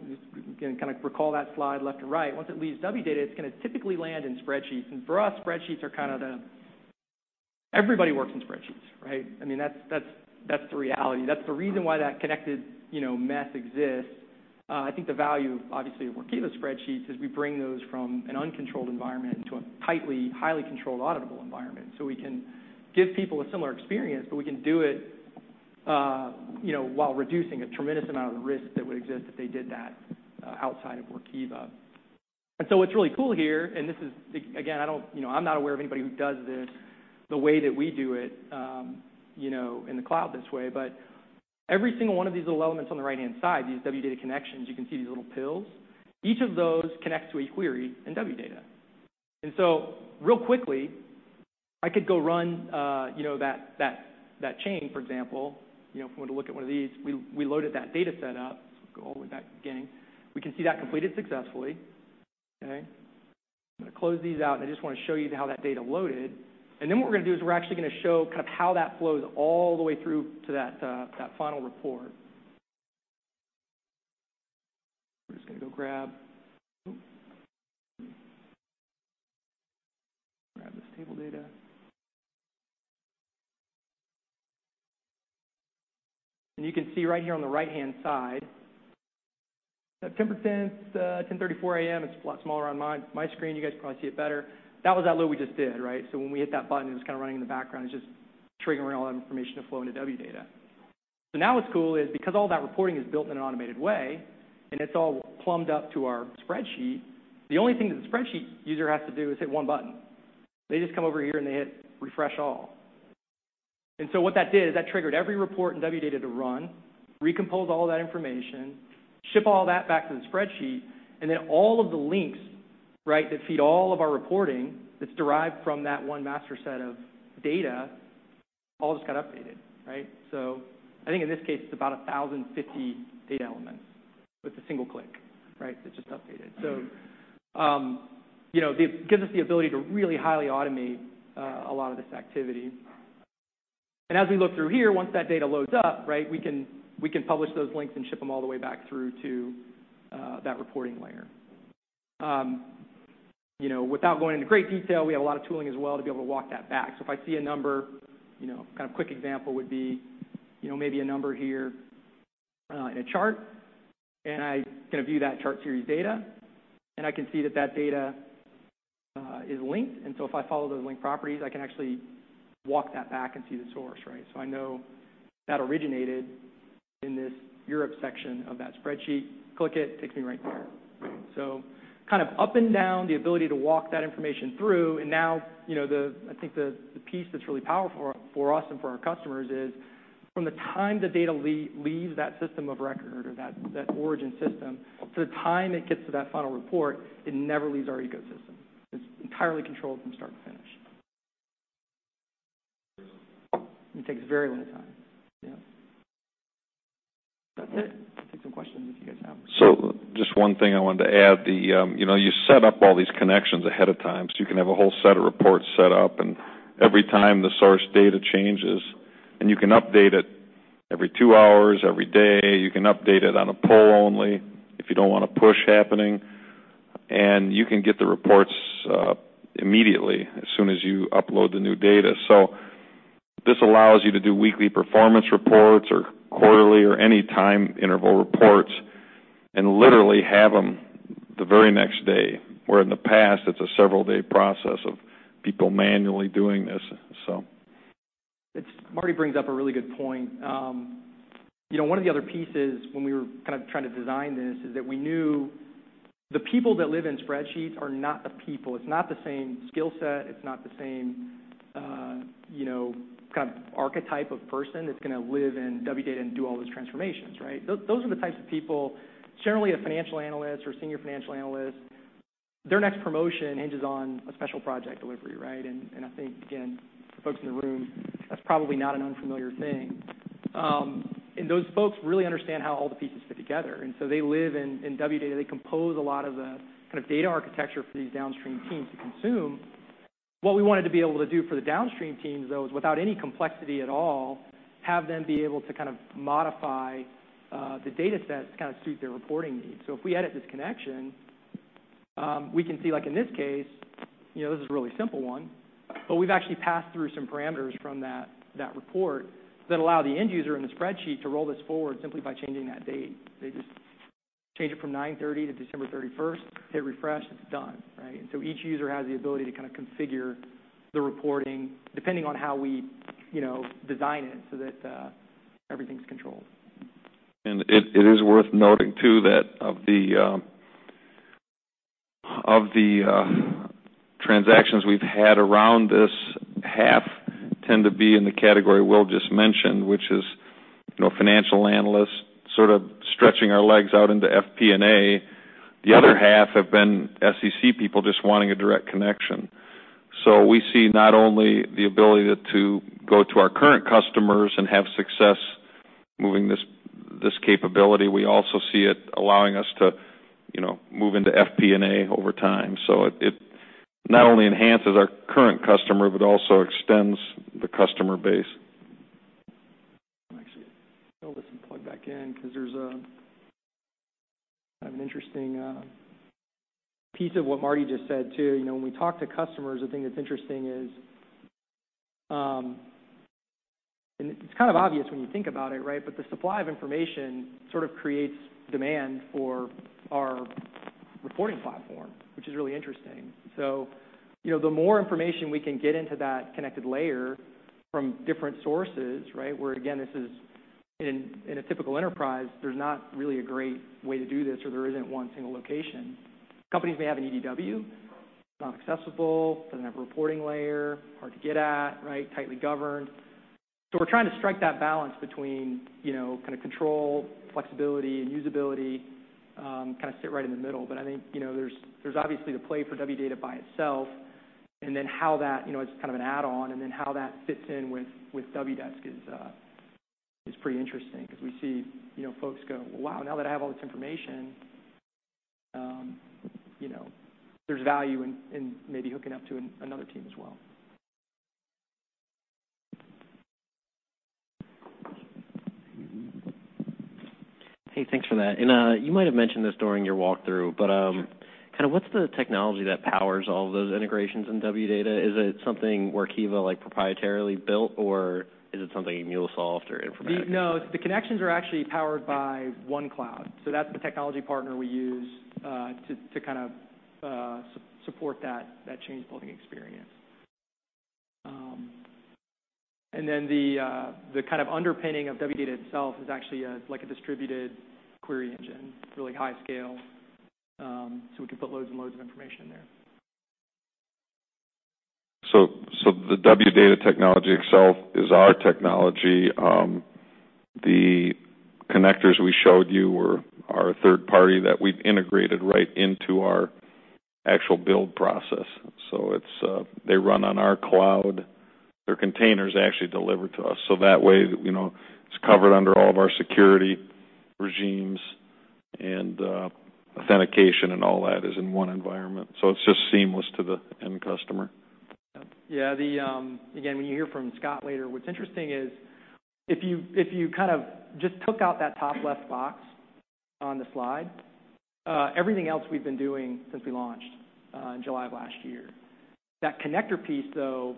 again, recall that slide left to right. Once it leaves Wdata, it's going to typically land in spreadsheets. For us, spreadsheets are kind of the Everybody works in spreadsheets, right? I mean, that's the reality. That's the reason why that connected mess exists. I think the value, obviously, of Workiva spreadsheets is we bring those from an uncontrolled environment into a tightly, highly controlled, auditable environment. We can give people a similar experience, but we can do it while reducing a tremendous amount of risk that would exist if they did that outside of Workiva. What's really cool here, and this is, again, I'm not aware of anybody who does this the way that we do it in the cloud this way, but every single one of these little elements on the right-hand side, these Wdata connections, you can see these little pills. Each of those connects to a query in Wdata. Real quickly, I could go run that chain, for example, if we want to look at one of these. We loaded that data set up. Go all the way back to the beginning. We can see that completed successfully. Okay. I'm going to close these out, and I just want to show you how that data loaded. What we're going to do is we're actually going to show how that flows all the way through to that final report. We're just going to go grab this table data. You can see right here on the right-hand side, September 10th, 10:34 A.M. It's a lot smaller on my screen. You guys can probably see it better. That was that load we just did, right? When we hit that button, it was kind of running in the background. It's just triggering all that information to flow into Wdata. Now what's cool is because all that reporting is built in an automated way and it's all plumbed up to our spreadsheet, the only thing that the spreadsheet user has to do is hit one button. They just come over here, and they hit Refresh all. What that did is that triggered every report in Wdata to run, recompose all that information, ship all that back to the spreadsheet, and then all of the links that feed all of our reporting that's derived from that one master set of data, all just got updated, right? I think in this case, it's about 1,050 data elements with a single click that just updated. It gives us the ability to really highly automate a lot of this activity. As we look through here, once that data loads up, we can publish those links and ship them all the way back through to that reporting layer. Without going into great detail, we have a lot of tooling as well to be able to walk that back. If I see a number, kind of quick example would be maybe a number here in a chart, and I can view that chart series data, and I can see that that data is linked. If I follow those linked properties, I can actually walk that back and see the source, right? I know that originated in this Europe section of that spreadsheet. Click it, takes me right there. Kind of up and down, the ability to walk that information through. Now, I think the piece that's really powerful for us and for our customers is from the time the data leaves that system of record or that origin system to the time it gets to that final report, it never leaves our ecosystem. It's entirely controlled from start to finish. It takes very little time. Yeah. That's it. I'll take some questions if you guys have them. Just one thing I wanted to add. You set up all these connections ahead of time, so you can have a whole set of reports set up, and every time the source data changes. You can update it every two hours, every day. You can update it on a poll only if you don't want a push happening. You can get the reports immediately as soon as you upload the new data. This allows you to do weekly performance reports or quarterly or any time interval reports and literally have them the very next day, where in the past, it's a several-day process of people manually doing this. Marty brings up a really good point. One of the other pieces when we were kind of trying to design this is that we knew the people that live in spreadsheets are not the people. It's not the same skill set, it's not the same kind of archetype of person that's going to live in Wdata and do all those transformations, right? Those are the types of people, generally a financial analyst or senior financial analyst, their next promotion hinges on a special project delivery, right? I think, again, for folks in the room, that's probably not an unfamiliar thing. Those folks really understand how all the pieces fit together, and so they live in Wdata. They compose a lot of the data architecture for these downstream teams to consume. What we wanted to be able to do for the downstream teams, though, is, without any complexity at all, have them be able to kind of modify the data sets to suit their reporting needs. If we edit this connection, we can see, like in this case, this is a really simple one, but we've actually passed through some parameters from that report that allow the end user in the spreadsheet to roll this forward simply by changing that date. They just change it from 9/30 to December 31st, hit refresh, it's done, right? Each user has the ability to kind of configure the reporting depending on how we design it so that everything's controlled. It is worth noting, too, that of the transactions we've had around this, half tend to be in the category Will just mentioned, which is financial analysts sort of stretching our legs out into FP&A. The other half have been SEC people just wanting a direct connection. We see not only the ability to go to our current customers and have success moving this capability, we also see it allowing us to move into FP&A over time. It not only enhances our current customer, but also extends the customer base. I'll actually kill this and plug back in because there's kind of an interesting piece of what Marty just said, too. When we talk to customers, the thing that's interesting is. It's kind of obvious when you think about it, right? The supply of information sort of creates demand for our reporting platform, which is really interesting. The more information we can get into that connected layer from different sources, right, where again, this is in a typical enterprise, there's not really a great way to do this, or there isn't one single location. Companies may have an EDW. It's not accessible. Doesn't have a reporting layer. Hard to get at, right? Tightly governed. We're trying to strike that balance between kind of control, flexibility, and usability, kind of sit right in the middle. I think there's obviously the play for Wdata by itself and then how that, it's kind of an add-on, and then how that fits in with Wdesk is pretty interesting because we see folks go, "Wow, now that I have all this information, there's value in maybe hooking up to another team as well. Hey, thanks for that. You might have mentioned this during your walkthrough. Sure What's the technology that powers all of those integrations in Wdata? Is it something Workiva proprietarily built, or is it something MuleSoft or Informatica? The connections are actually powered by OneCloud. That's the technology partner we use to kind of support that change pulling experience. The kind of underpinning of Wdata itself is actually like a distributed query engine. It's really high scale, so we can put loads and loads of information in there. The Wdata technology itself is our technology. The connectors we showed you were our third party that we've integrated right into our actual build process. They run on our cloud. Their container's actually delivered to us, so that way it's covered under all of our security regimes, and authentication and all that is in one environment. It's just seamless to the end customer. Yeah. Again, when you hear from Scott later, what's interesting is if you kind of just took out that top left box on the slide, everything else we've been doing since we launched in July of last year. That connector piece, though,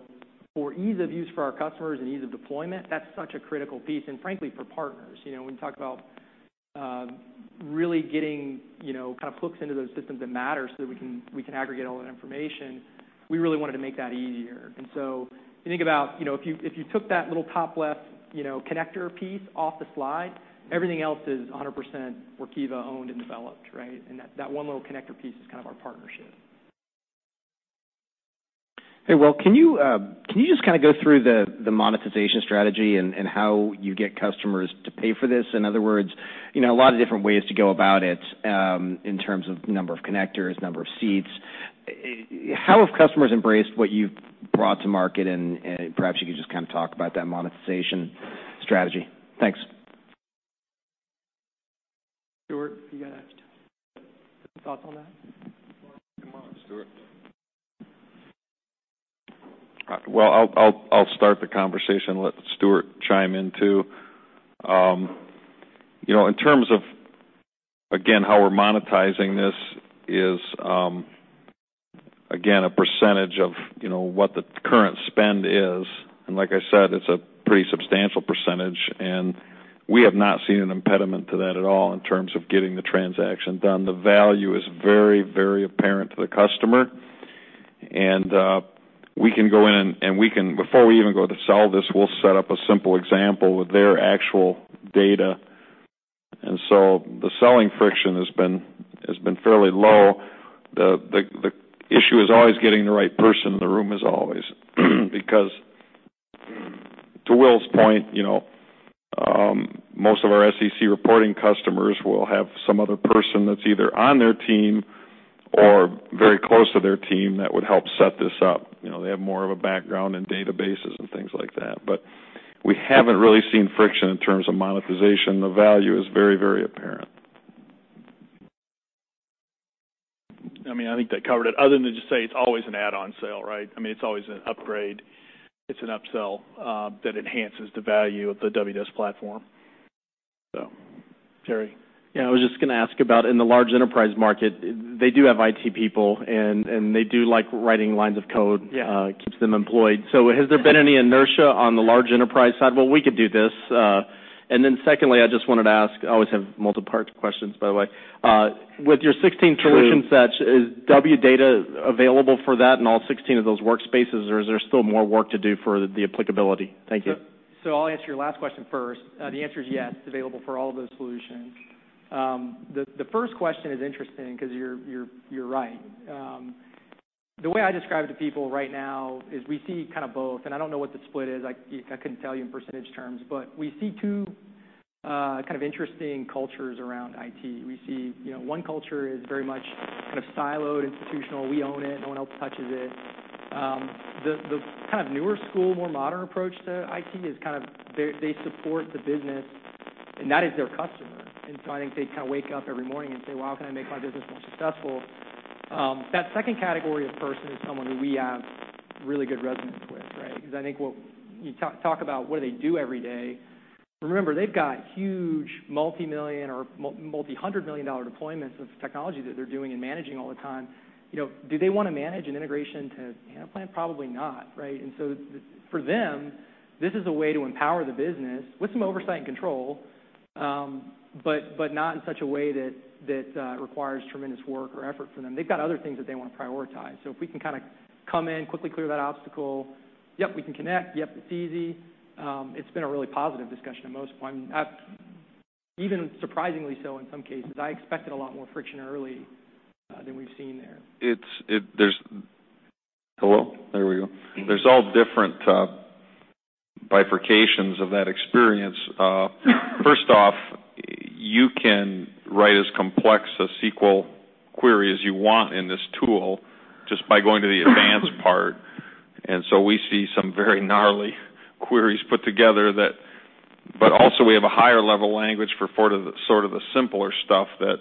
for ease of use for our customers and ease of deployment, that's such a critical piece. Frankly, for partners. When you talk about really getting kind of hooks into those systems that matter so that we can aggregate all that information, we really wanted to make that easier. You think about if you took that little top left connector piece off the slide, everything else is 100% Workiva owned and developed, right? That one little connector piece is kind of our partnership. Hey, Will, can you just go through the monetization strategy and how you get customers to pay for this? In other words, a lot of different ways to go about it in terms of number of connectors, number of seats. How have customers embraced what you've brought to market? Perhaps you could just kind of talk about that monetization strategy. Thanks. Stuart, you got thoughts on that? Come on, Stuart. Well, I'll start the conversation and let Stuart chime in, too. In terms of, again, how we're monetizing this is, again, a percentage of what the current spend is. Like I said, it's a pretty substantial percentage, and we have not seen an impediment to that at all in terms of getting the transaction done. The value is very apparent to the customer. We can go in and before we even go to sell this, we'll set up a simple example with their actual data. The selling friction has been fairly low. The issue is always getting the right person in the room as always. To Will's point, most of our SEC reporting customers will have some other person that's either on their team or very close to their team that would help set this up. They have more of a background in databases and things like that. We haven't really seen friction in terms of monetization. The value is very apparent. I think that covered it, other than to just say it's always an add-on sale, right? It's always an upgrade. It's an upsell that enhances the value of the Wdesk platform. Terry. Yeah, I was just going to ask about in the large enterprise market, they do have IT people, and they do like writing lines of code. Yeah. It keeps them employed. Has there been any inertia on the large enterprise side? Well, we could do this. Secondly, I just wanted to ask, I always have multi-part questions, by the way. With your 16 solutions. True set, is Wdata available for that in all 16 of those workspaces, or is there still more work to do for the applicability? Thank you. I'll answer your last question first. The answer is yes, it's available for all of those solutions. The first question is interesting because you're right. The way I describe it to people right now is we see kind of both, and I don't know what the split is. I couldn't tell you in percentage terms, but we see two kind of interesting cultures around IT. We see one culture is very much kind of siloed, institutional, "We own it, no one else touches it." The kind of newer school, more modern approach to IT is kind of they support the business, and that is their customer. I think they kind of wake up every morning and say, "Well, how can I make my business more successful?" That second category of person is someone who we have really good resonance with, right? I think when you talk about what they do every day, remember, they've got huge multi-million or multi-hundred million dollar deployments of technology that they're doing and managing all the time. Do they want to manage an integration to Anaplan? Probably not, right? For them, this is a way to empower the business with some oversight and control, but not in such a way that requires tremendous work or effort from them. They've got other things that they want to prioritize. If we can kind of come in, quickly clear that obstacle, "Yep, we can connect." "Yep, it's easy," it's been a really positive discussion in most, even surprisingly so in some cases. I expected a lot more friction early than we've seen there. Hello? There we go. There's all different bifurcations of that experience. First off, you can write as complex a SQL query as you want in this tool just by going to the advanced part. We see some very gnarly queries put together. Also, we have a higher-level language for sort of the simpler stuff that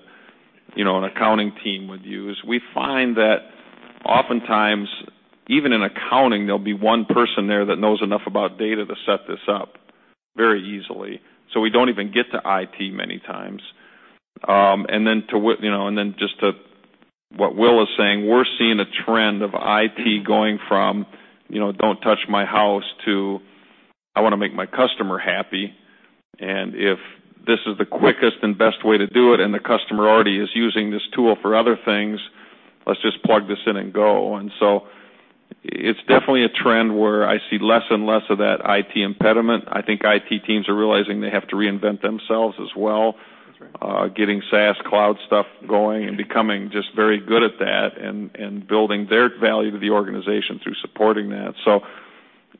an accounting team would use. We find that oftentimes, even in accounting, there'll be one person there that knows enough about data to set this up very easily. We don't even get to IT many times. Just to what Will is saying, we're seeing a trend of IT going from, "Don't touch my house," to, "I want to make my customer happy. If this is the quickest and best way to do it, and the customer already is using this tool for other things, let's just plug this in and go." It's definitely a trend where I see less and less of that IT impediment. I think IT teams are realizing they have to reinvent themselves as well. That's right. Getting SaaS cloud stuff going and becoming just very good at that, and building their value to the organization through supporting that.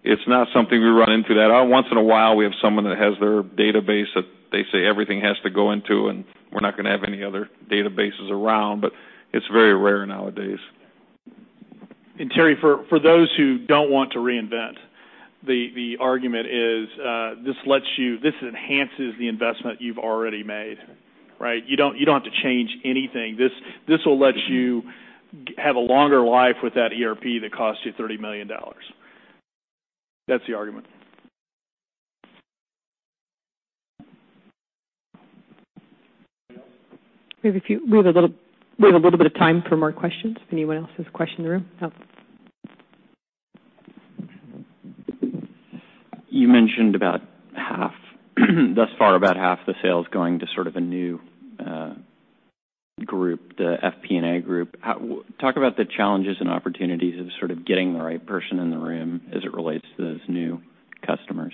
It's not something we run into. Once in a while, we have someone that has their database that they say everything has to go into, and we're not going to have any other databases around, but it's very rare nowadays. Terry, for those who don't want to reinvent, the argument is, this enhances the investment you've already made, right? You don't have to change anything. This will let you have a longer life with that ERP that costs you $30 million. That's the argument. We have a little bit of time for more questions, if anyone else has a question in the room. Alex. You mentioned thus far, about half the sales going to sort of a new group, the FP&A group. Talk about the challenges and opportunities of sort of getting the right person in the room as it relates to those new customers.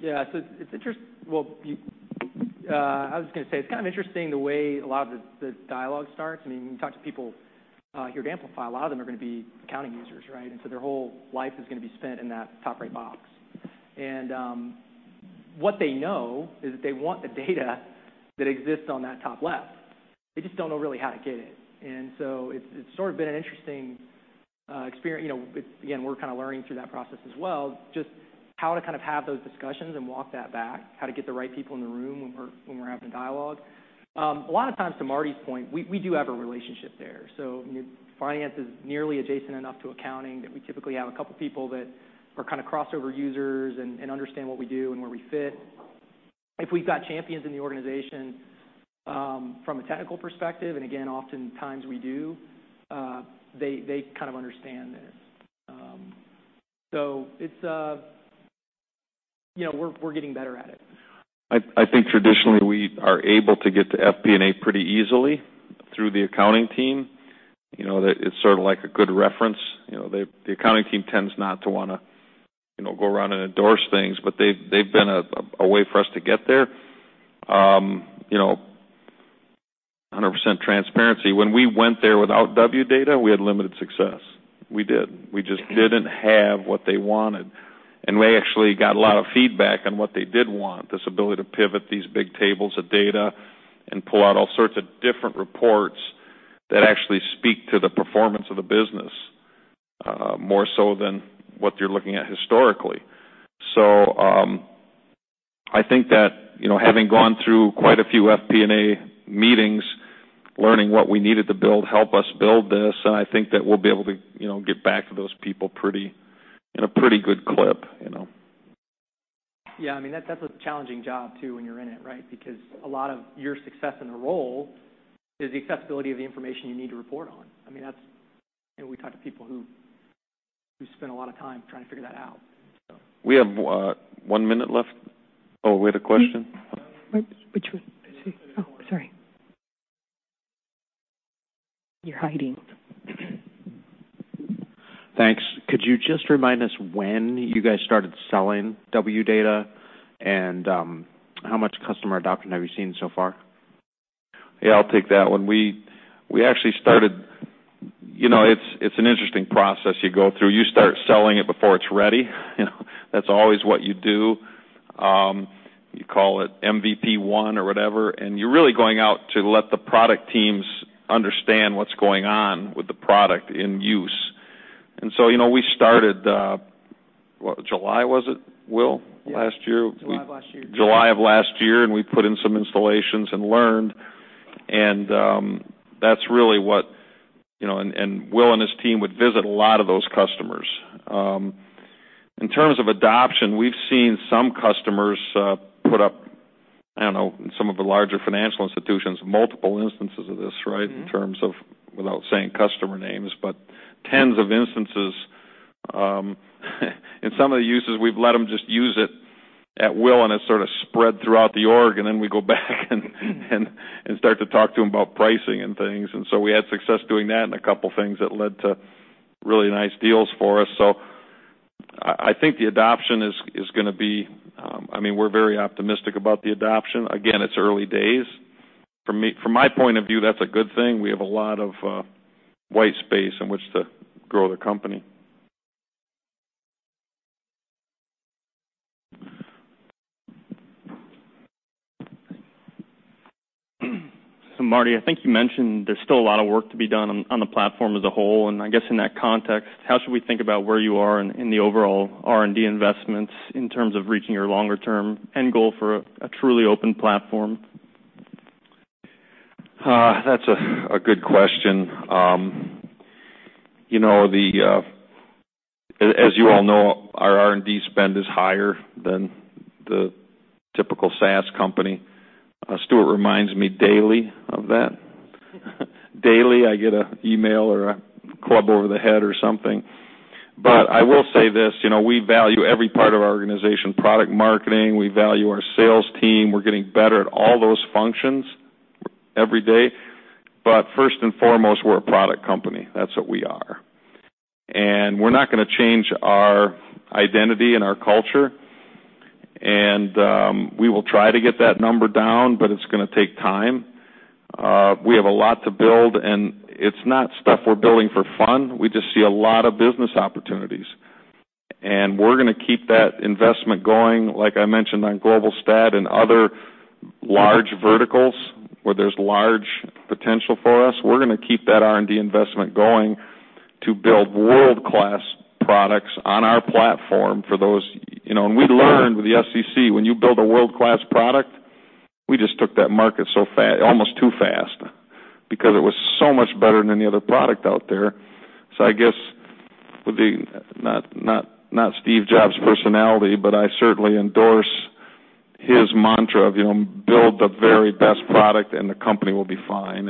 Yeah. I was going to say, it's kind of interesting the way a lot of the dialogue starts. When you talk to people here at Amplify, a lot of them are going to be accounting users, right? Their whole life is going to be spent in that top right box. What they know is that they want the data that exists on that top left. They just don't know really how to get it. It's sort of been an interesting experience. Again, we're kind of learning through that process as well, just how to have those discussions and walk that back, how to get the right people in the room when we're having dialogue. A lot of times, to Marty's point, we do have a relationship there. Finance is nearly adjacent enough to accounting that we typically have a couple people that are kind of crossover users and understand what we do and where we fit. If we've got champions in the organization from a technical perspective, and again, oftentimes we do, they kind of understand this. We're getting better at it. I think traditionally, we are able to get to FP&A pretty easily through the accounting team. It's sort of like a good reference. The accounting team tends not to want to go around and endorse things, but they've been a way for us to get there. 100% transparency. When we went there without Wdata, we had limited success. We did. We just didn't have what they wanted, and we actually got a lot of feedback on what they did want, this ability to pivot these big tables of data and pull out all sorts of different reports that actually speak to the performance of the business, more so than what you're looking at historically. I think that, having gone through quite a few FP&A meetings, learning what we needed to build, help us build this, and I think that we'll be able to get back to those people in a pretty good clip. Yeah, that's a challenging job, too, when you're in it, right? A lot of your success in the role is the accessibility of the information you need to report on. We talk to people who spend a lot of time trying to figure that out. We have one minute left. Oh, we had a question? Which one? I see. Oh, sorry. You're hiding. Thanks. Could you just remind us when you guys started selling Wdata, and how much customer adoption have you seen so far? Yeah, I'll take that one. It's an interesting process you go through. You start selling it before it's ready. That's always what you do. You call it MVP 1 or whatever, and you're really going out to let the product teams understand what's going on with the product in use. We started, July was it, Will, last year? Yeah. July of last year. July of last year, and we put in some installations and learned, and Will and his team would visit a lot of those customers. In terms of adoption, we've seen some customers put up, some of the larger financial institutions, multiple instances of this, right? In terms of, without saying customer names. Tens of instances. In some of the uses, we've let them just use it at will, and it sort of spread throughout the org, and then we go back and start to talk to them about pricing and things. We had success doing that and a couple things that led to really nice deals for us. We're very optimistic about the adoption. Again, it's early days. From my point of view, that's a good thing. We have a lot of white space in which to grow the company. Marty, I think you mentioned there's still a lot of work to be done on the platform as a whole, I guess in that context, how should we think about where you are in the overall R&D investments in terms of reaching your longer-term end goal for a truly open platform? That's a good question. As you all know, our R&D spend is higher than the typical SaaS company. Stuart reminds me daily of that. Daily, I get an email or a club over the head or something. I will say this, we value every part of our organization, product marketing, we value our sales team. We're getting better at all those functions every day. First and foremost, we're a product company. That's what we are. We're not going to change our identity and our culture. We will try to get that number down, but it's going to take time. We have a lot to build, and it's not stuff we're building for fun. We just see a lot of business opportunities. We're going to keep that investment going, like I mentioned, on Global Stat and other large verticals where there's large potential for us. We're going to keep that R&D investment going to build world-class products on our platform for those. We learned with the SEC, when you build a world-class product, we just took that market almost too fast, because it was so much better than any other product out there. I guess, not Steve Jobs' personality, but I certainly endorse his mantra of build the very best product and the company will be fine.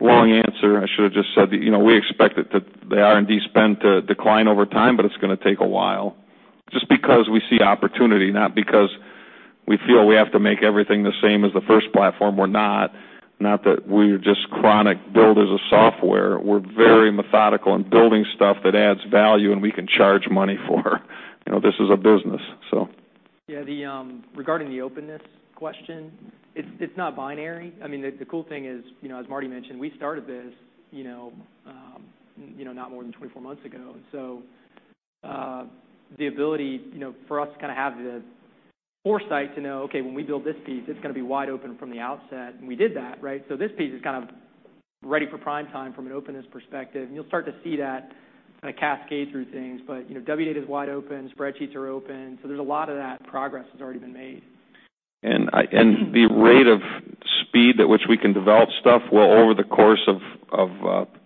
Long answer. I should have just said that we expected the R&D spend to decline over time, but it's going to take a while, just because we see opportunity, not because we feel we have to make everything the same as the first platform. We're not. Not that we're just chronic builders of software. We're very methodical in building stuff that adds value, and we can charge money for. This is a business. Yeah. Regarding the openness question, it's not binary. The cool thing is, as Marty mentioned, we started more than 24 months ago. The ability for us to have the foresight to know, okay, when we build this piece, it's going to be wide open from the outset. We did that, right? This piece is ready for prime time from an openness perspective. You'll start to see that cascade through things. Wdata is wide open, spreadsheets are open, there's a lot of that progress that's already been made. The rate of speed at which we can develop stuff will, over the course of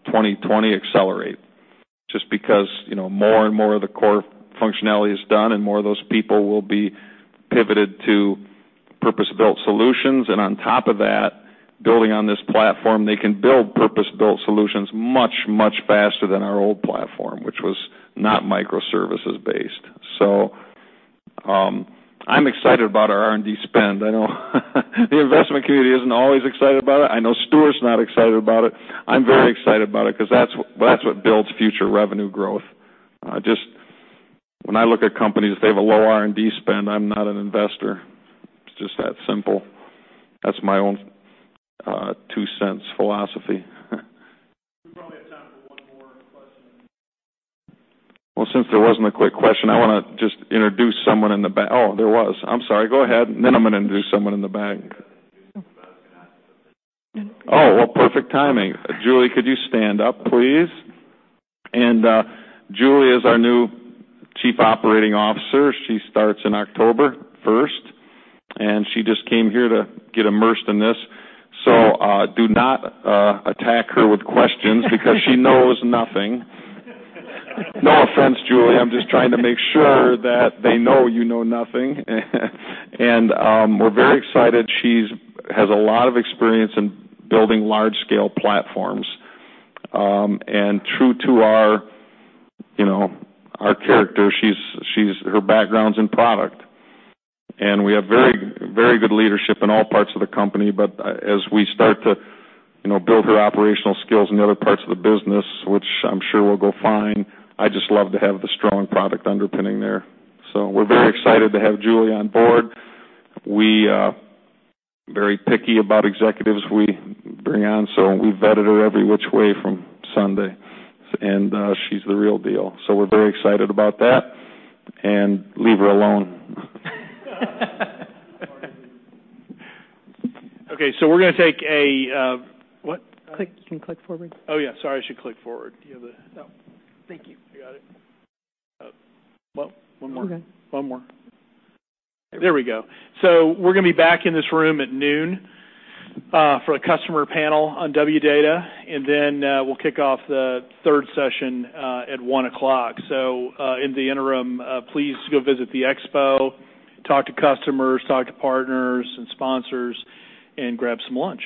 2020, accelerate, just because more and more of the core functionality is done and more of those people will be pivoted to purpose-built solutions. On top of that, building on this platform, they can build purpose-built solutions much, much faster than our old platform, which was not microservices based. I'm excited about our R&D spend. I know the investment community isn't always excited about it. I know Stuart's not excited about it. I'm very excited about it because that's what builds future revenue growth. When I look at companies, if they have a low R&D spend, I'm not an investor. It's just that simple. That's my own two cents philosophy. We probably have time for one more question. Well, since there wasn't a quick question, I want to just introduce someone in the back. Oh, there was. I'm sorry, go ahead, and then I'm going to introduce someone in the back. Oh, well, perfect timing. Julie, could you stand up, please? Julie is our new Chief Operating Officer. She starts in October 1st, and she just came here to get immersed in this. Do not attack her with questions because she knows nothing. No offense, Julie. I'm just trying to make sure that they know you know nothing. We're very excited. She has a lot of experience in building large-scale platforms. True to our character, her background's in product. We have very good leadership in all parts of the company. As we start to build her operational skills in the other parts of the business, which I'm sure will go fine, I just love to have the strong product underpinning there. We're very excited to have Julie on board. We are very picky about executives we bring on, so we vetted her every which way from Sunday, and she's the real deal. We're very excited about that, and leave her alone. Okay, we're going to take a What? Click. You can click forward. Oh, yeah. Sorry, I should click forward. Do you have the- Oh, thank you. You got it? Well, one more. Okay. One more. There we go. We're going to be back in this room at noon for a customer panel on Wdata, and then we'll kick off the third session at 1:00. In the interim, please go visit the expo, talk to customers, talk to partners and sponsors, and grab some lunch.